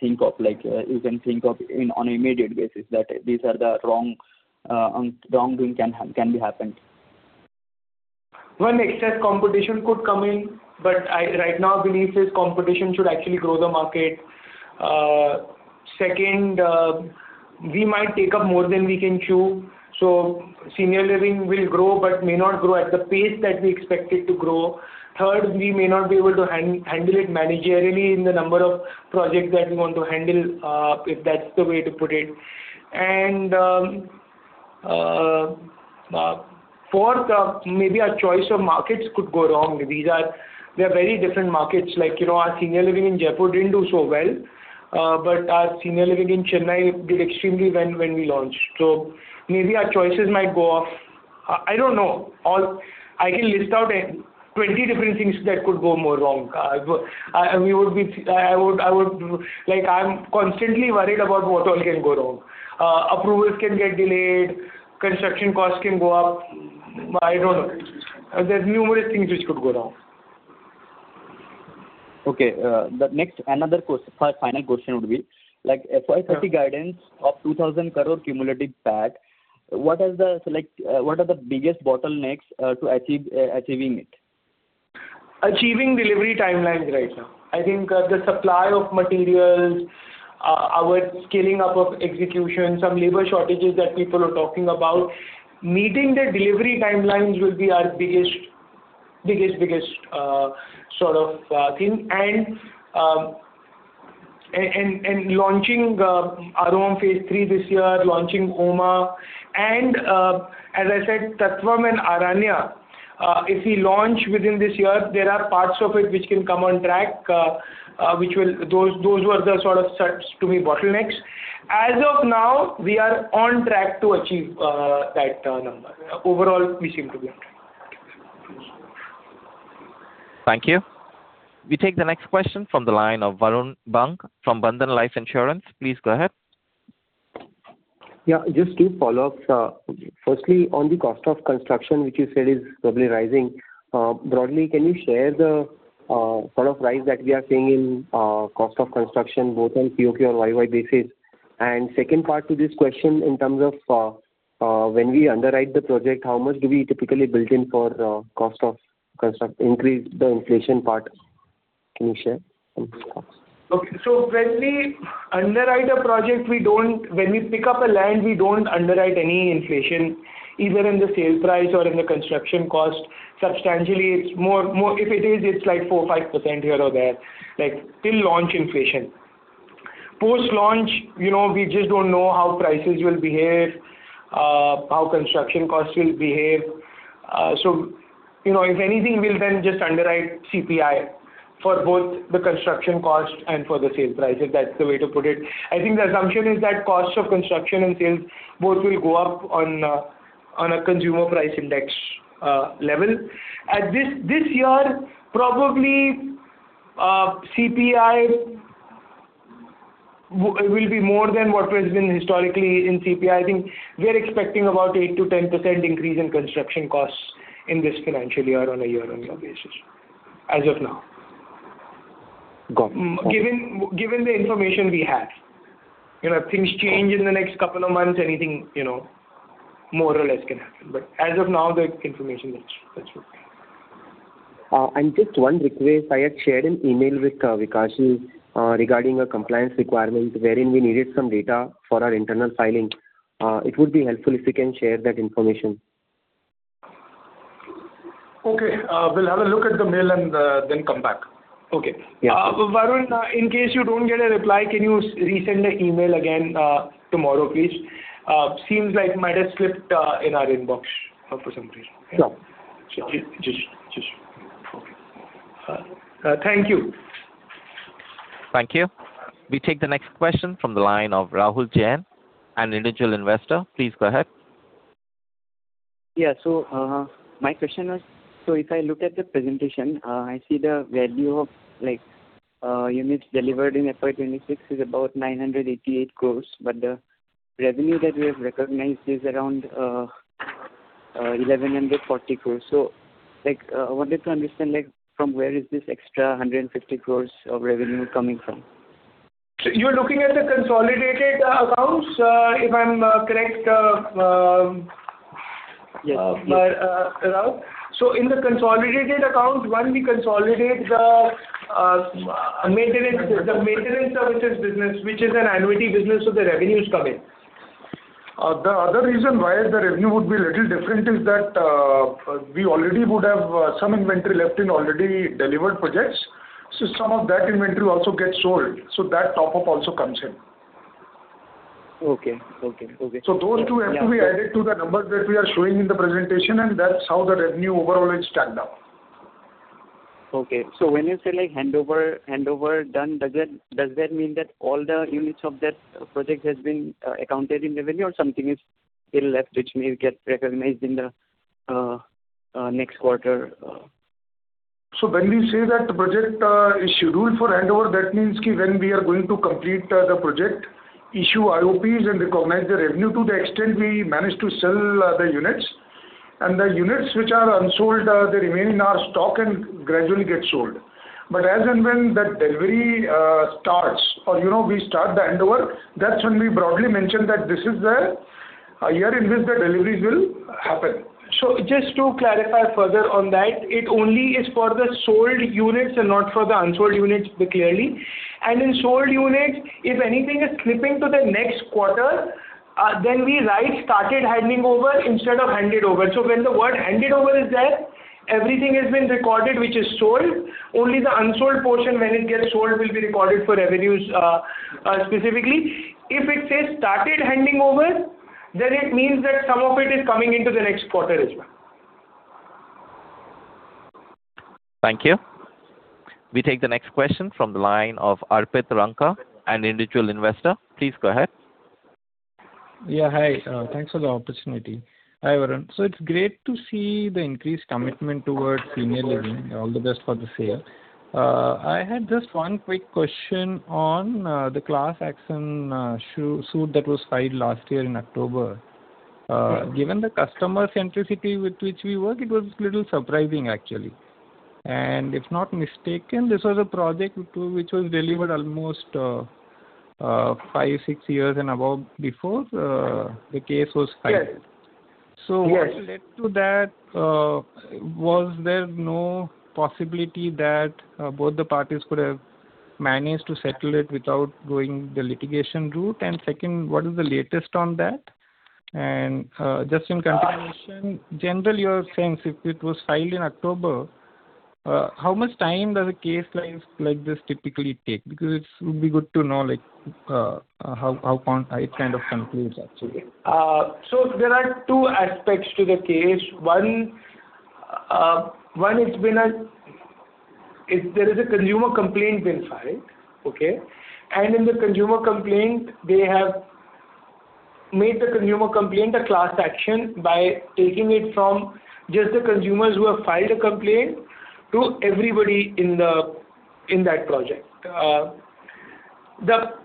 Speaker 10: think of, you can think of on an immediate basis, that these are the wrong thing can be happened?
Speaker 5: One, excess competition could come in, but right now belief is competition should actually grow the market. Second, we might take up more than we can chew, so Senior Living will grow but may not grow at the pace that we expect it to grow. Third, we may not be able to handle it managerially in the number of projects that we want to handle, if that's the way to put it. Fourth, maybe our choice of markets could go wrong. They are very different markets. Like, you know, our Senior Living in Jaipur didn't do so well. Our Senior Living in Chennai did extremely well when we launched. Maybe our choices might go off. I don't know. I can list out 20 different things that could go more wrong. I'm constantly worried about what all can go wrong. Approvals can get delayed, construction costs can go up. I don't know. There's numerous things which could go wrong.
Speaker 10: Okay. The next, another final question would be, FY 2030 guidance of 2,000 crore cumulative PAT, what are the biggest bottlenecks to achieving it?
Speaker 5: Achieving delivery timelines right now. I think the supply of materials, our scaling up of execution, some labor shortages that people are talking about. Meeting the delivery timelines will be our biggest thing. Launching Aaroham phase III this year, launching Oma, and, as I said, Tattvam and Aranya. If we launch within this year, there are parts of it which can come on track. Those were the sort of, to me, bottlenecks. As of now, we are on track to achieve that number. Overall, we seem to be on track.
Speaker 1: Thank you. We take the next question from the line of Varun Bang from Bandhan Life Insurance. Please go ahead.
Speaker 15: Yeah. Just two follow-ups. Firstly, on the cost of construction, which you said is probably rising. Broadly, can you share the sort of rise that we are seeing in cost of construction, both on QoQ or YoY basis? And second part to this question in terms of when we underwrite the project, how much do we typically build in for cost of construct increase, the inflation part? Can you share some thoughts?
Speaker 5: Okay. When we underwrite a project, when we pick up a land, we don't underwrite any inflation, either in the sales price or in the construction cost. Substantially, if it is, it's 4%, 5% here or there, till launch inflation. Post-launch, we just don't know how prices will behave, how construction costs will behave. If anything, we'll then just underwrite CPI for both the construction cost and for the sales price, if that's the way to put it. I think the assumption is that cost of construction and sales both will go up on a consumer price index level. This year, probably, CPI will be more than what has been historically in CPI. I think we are expecting about 8%-10% increase in construction costs in this financial year on a year-on-year basis, as of now.
Speaker 15: Got it.
Speaker 5: Given the information we have. If things change in the next couple of months, anything more or less can happen. As of now, the information that's with me.
Speaker 15: Just one request. I had shared an email with Vikash regarding a compliance requirement wherein we needed some data for our internal filing. It would be helpful if you can share that information.
Speaker 5: Okay. We'll have a look at the mail and then come back.
Speaker 15: Okay. Yeah.
Speaker 5: Varun, in case you don't get a reply, can you resend the email again tomorrow, please? Seems like it might have slipped in our inbox for some reason. Okay?
Speaker 15: Sure.
Speaker 5: Just checking. Thank you.
Speaker 1: Thank you. We take the next question from the line of Rahul Jain, an Individual Investor. Please go ahead.
Speaker 16: Yeah. My question was, so if I look at the presentation, I see the value of units delivered in FY 2026 is about 988 crores, but the revenue that we have recognized is around 1,140 crores. I wanted to understand from where is this extra 150 crores of revenue coming from?
Speaker 5: You're looking at the consolidated accounts, if I'm correct, Rahul?
Speaker 16: Yes.
Speaker 5: In the consolidated accounts, one, we consolidate the maintenance services business, which is an annuity business, so the revenues come in.
Speaker 3: The other reason why the revenue would be a little different is that we already would have some inventory left in already delivered projects. Some of that inventory also gets sold, so that top-up also comes in.
Speaker 16: Okay.
Speaker 3: Those two have to be added to the numbers that we are showing in the presentation, and that's how the revenue overall is stacked up.
Speaker 16: Okay. When you say handover done, does that mean that all the units of that project has been accounted in revenue or something is still left, which may get recognized in the next quarter?
Speaker 3: When we say that the project is scheduled for handover, that means when we are going to complete the project, issue OCs and recognize the revenue to the extent we manage to sell the units. The units which are unsold, they remain in our stock and gradually get sold. As and when that delivery starts or we start the handover, that's when we broadly mention that this is the year in which the deliveries will happen.
Speaker 5: Just to clarify further on that, it only is for the sold units and not for the unsold units, clearly. In sold units, if anything is slipping to the next quarter, then we write "started handing over" instead of "handed over." When the word "handed over" is there, everything has been recorded which is sold. Only the unsold portion when it gets sold will be recorded for revenues specifically. If it says "started handing over," then it means that some of it is coming into the next quarter as well.
Speaker 1: Thank you. We take the next question from the line of Arpit Ranka, an Individual Investor. Please go ahead.
Speaker 17: Yeah, hi. Thanks for the opportunity. Hi, Varun. It's great to see the increased commitment towards Senior Living. All the best for the sale. I had just one quick question on the class action suit that was filed last year in October. Given the customer centricity with which we work, it was a little surprising, actually. If not mistaken, this was a project which was delivered almost five, six years and above before the case was filed.
Speaker 5: Yes.
Speaker 17: What led to that? Was there no possibility that both the parties could have managed to settle it without going the litigation route? Second, what is the latest on that? Just in continuation, generally you are saying if it was filed in October, how much time does a case like this typically take? Because it would be good to know how it kind of concludes, actually.
Speaker 5: There are two aspects to the case. One, there is a consumer complaint been filed. Okay. In the consumer complaint, they have made the consumer complaint a class action by taking it from just the consumers who have filed a complaint to everybody in that project. Whether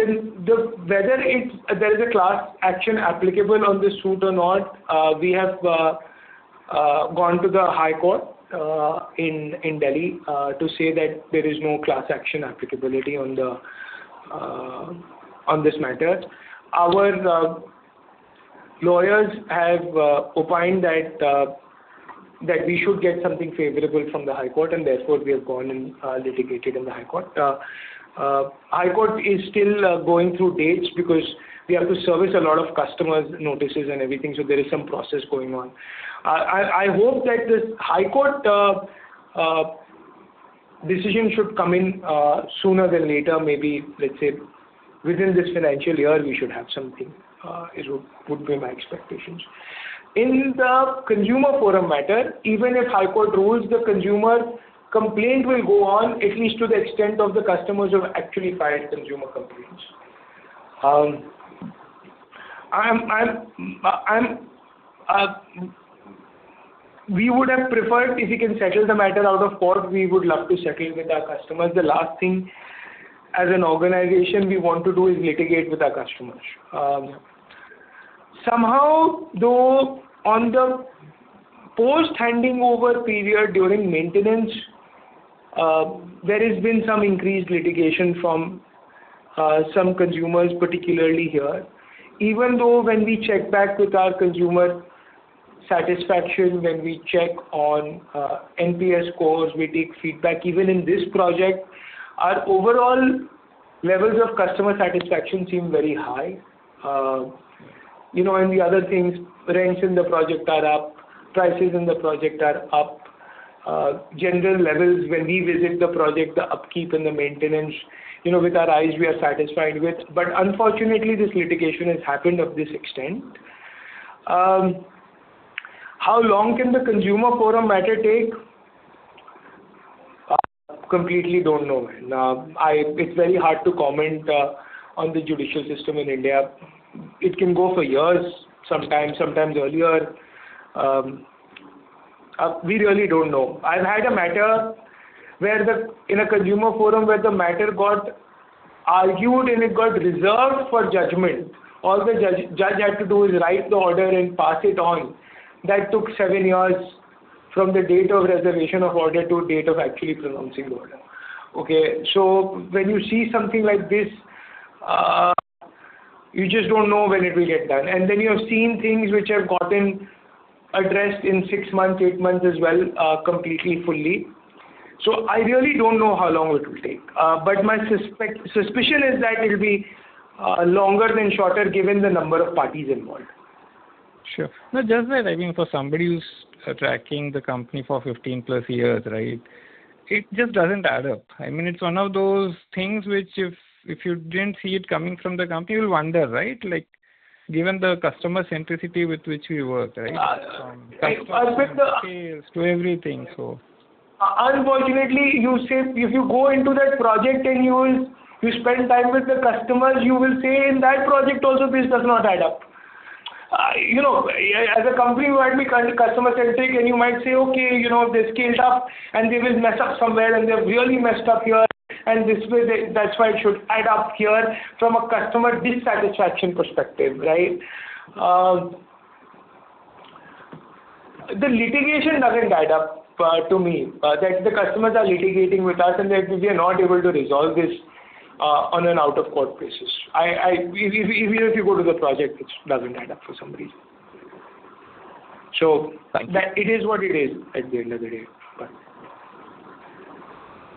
Speaker 5: there is a class action applicable on this suit or not, we have gone to the High Court in Delhi to say that there is no class action applicability on this matter. Our lawyers have opined that we should get something favorable from the High Court, and therefore, we have gone and litigated in the High Court. High Court is still going through dates because we have to service a lot of customers' notices and everything. There is some process going on. I hope that the High Court decision should come in sooner than later. Maybe, let's say, within this financial year we should have something. It would be my expectations. In the consumer forum matter, even if High Court rules, the consumer complaint will go on at least to the extent of the customers who have actually filed consumer complaints. We would have preferred if we can settle the matter out of court, we would love to settle with our customers. The last thing as an organization we want to do is litigate with our customers. Somehow, though, on the post-handing over period during maintenance, there has been some increased litigation from some consumers, particularly here. Even though when we check back with our consumer satisfaction, when we check on NPS scores, we take feedback, even in this project, our overall levels of customer satisfaction seem very high. The other things, rents in the project are up, prices in the project are up. General levels, when we visit the project, the upkeep and the maintenance, with our eyes we are satisfied with. Unfortunately, this litigation has happened up to this extent. How long can the consumer forum matter take? Completely don't know. It's very hard to comment on the judicial system in India. It can go for years sometimes earlier. We really don't know. I've had a matter in a consumer forum where the matter got argued, and it got reserved for judgment. All the judge had to do is write the order and pass it on. That took seven years from the date of reservation of order to date of actually pronouncing the order. Okay. When you see something like this, you just don't know when it will get done. You have seen things which have gotten addressed in six months, eight months as well, completely, fully. I really don't know how long it will take. My suspicion is that it'll be longer than shorter given the number of parties involved.
Speaker 17: Sure. No, just that, I mean, for somebody who's tracking the company for 15 plus years, right? It just doesn't add up. I mean, it's one of those things which if you didn't see it coming from the company, you'll wonder, right? Like given the customer centricity with which we work, right? From customer to sales to everything.
Speaker 5: Unfortunately, if you go into that project and you spend time with the customers, you will say in that project also, this does not add up. As a company, we might be customer-centric, and you might say, "Okay, they've scaled up, and they will mess up somewhere, and they've really messed up here, and that's why it should add up here from a customer dissatisfaction perspective." Right? The litigation doesn't add up to me, that the customers are litigating with us and that we are not able to resolve this on an out-of-court basis. Even if you go to the project, it doesn't add up for some reason.
Speaker 17: Thank you. It is what it is.
Speaker 5: At the end of the day.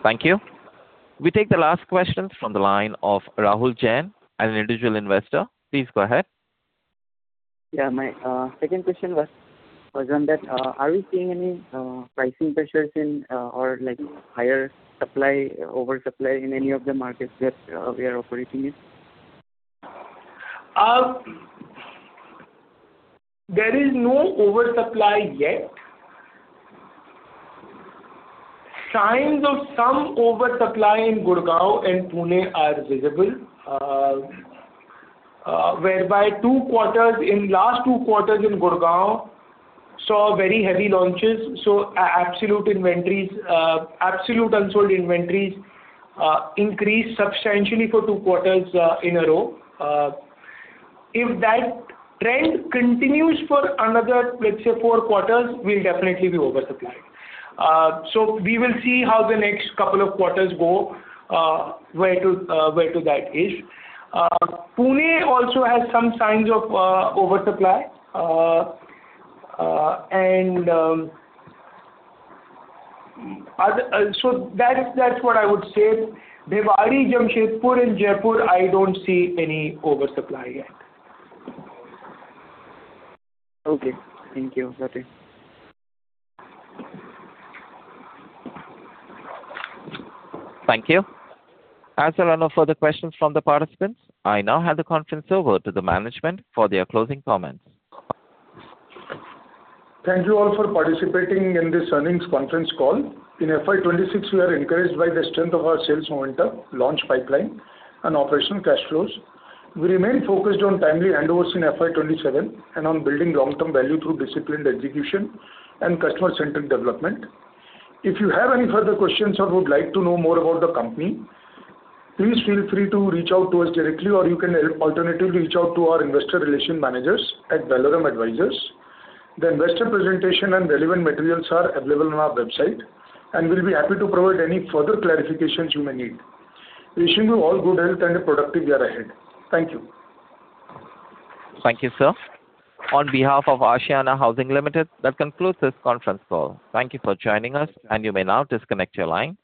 Speaker 1: Thank you. We take the last question from the line of Rahul Jain, an Individual Investor. Please go ahead.
Speaker 16: Yeah. My second question was on that. Are we seeing any pricing pressures in, or higher oversupply in any of the markets that we are operating in?
Speaker 5: There is no oversupply yet. Signs of some oversupply in Gurgaon and Pune are visible, whereby in last two quarters in Gurgaon saw very heavy launches. Absolute unsold inventories increased substantially for two quarters in a row. If that trend continues for another, let's say, four quarters, we'll definitely be oversupplied. We will see how the next couple of quarters go, where to that is. Pune also has some signs of oversupply. That's what I would say. Bhiwadi, Jamshedpur and Jaipur, I don't see any oversupply yet.
Speaker 16: Okay. Thank you. (inaudible)
Speaker 1: Thank you. As there are no further questions from the participants, I now hand the conference over to the management for their closing comments.
Speaker 3: Thank you all for participating in this earnings conference call. In FY 2026, we are encouraged by the strength of our sales momentum, launch pipeline, and operational cash flows. We remain focused on timely handovers in FY 2027 and on building long-term value through disciplined execution and customer-centric development. If you have any further questions or would like to know more about the company, please feel free to reach out to us directly, or you can alternatively reach out to our investor relation managers at Valorem Advisors. The investor presentation and relevant materials are available on our website, and we'll be happy to provide any further clarifications you may need. Wishing you all good health and a productive year ahead. Thank you.
Speaker 1: Thank you, sir. On behalf of Ashiana Housing Limited, that concludes this conference call. Thank you for joining us, and you may now disconnect your line.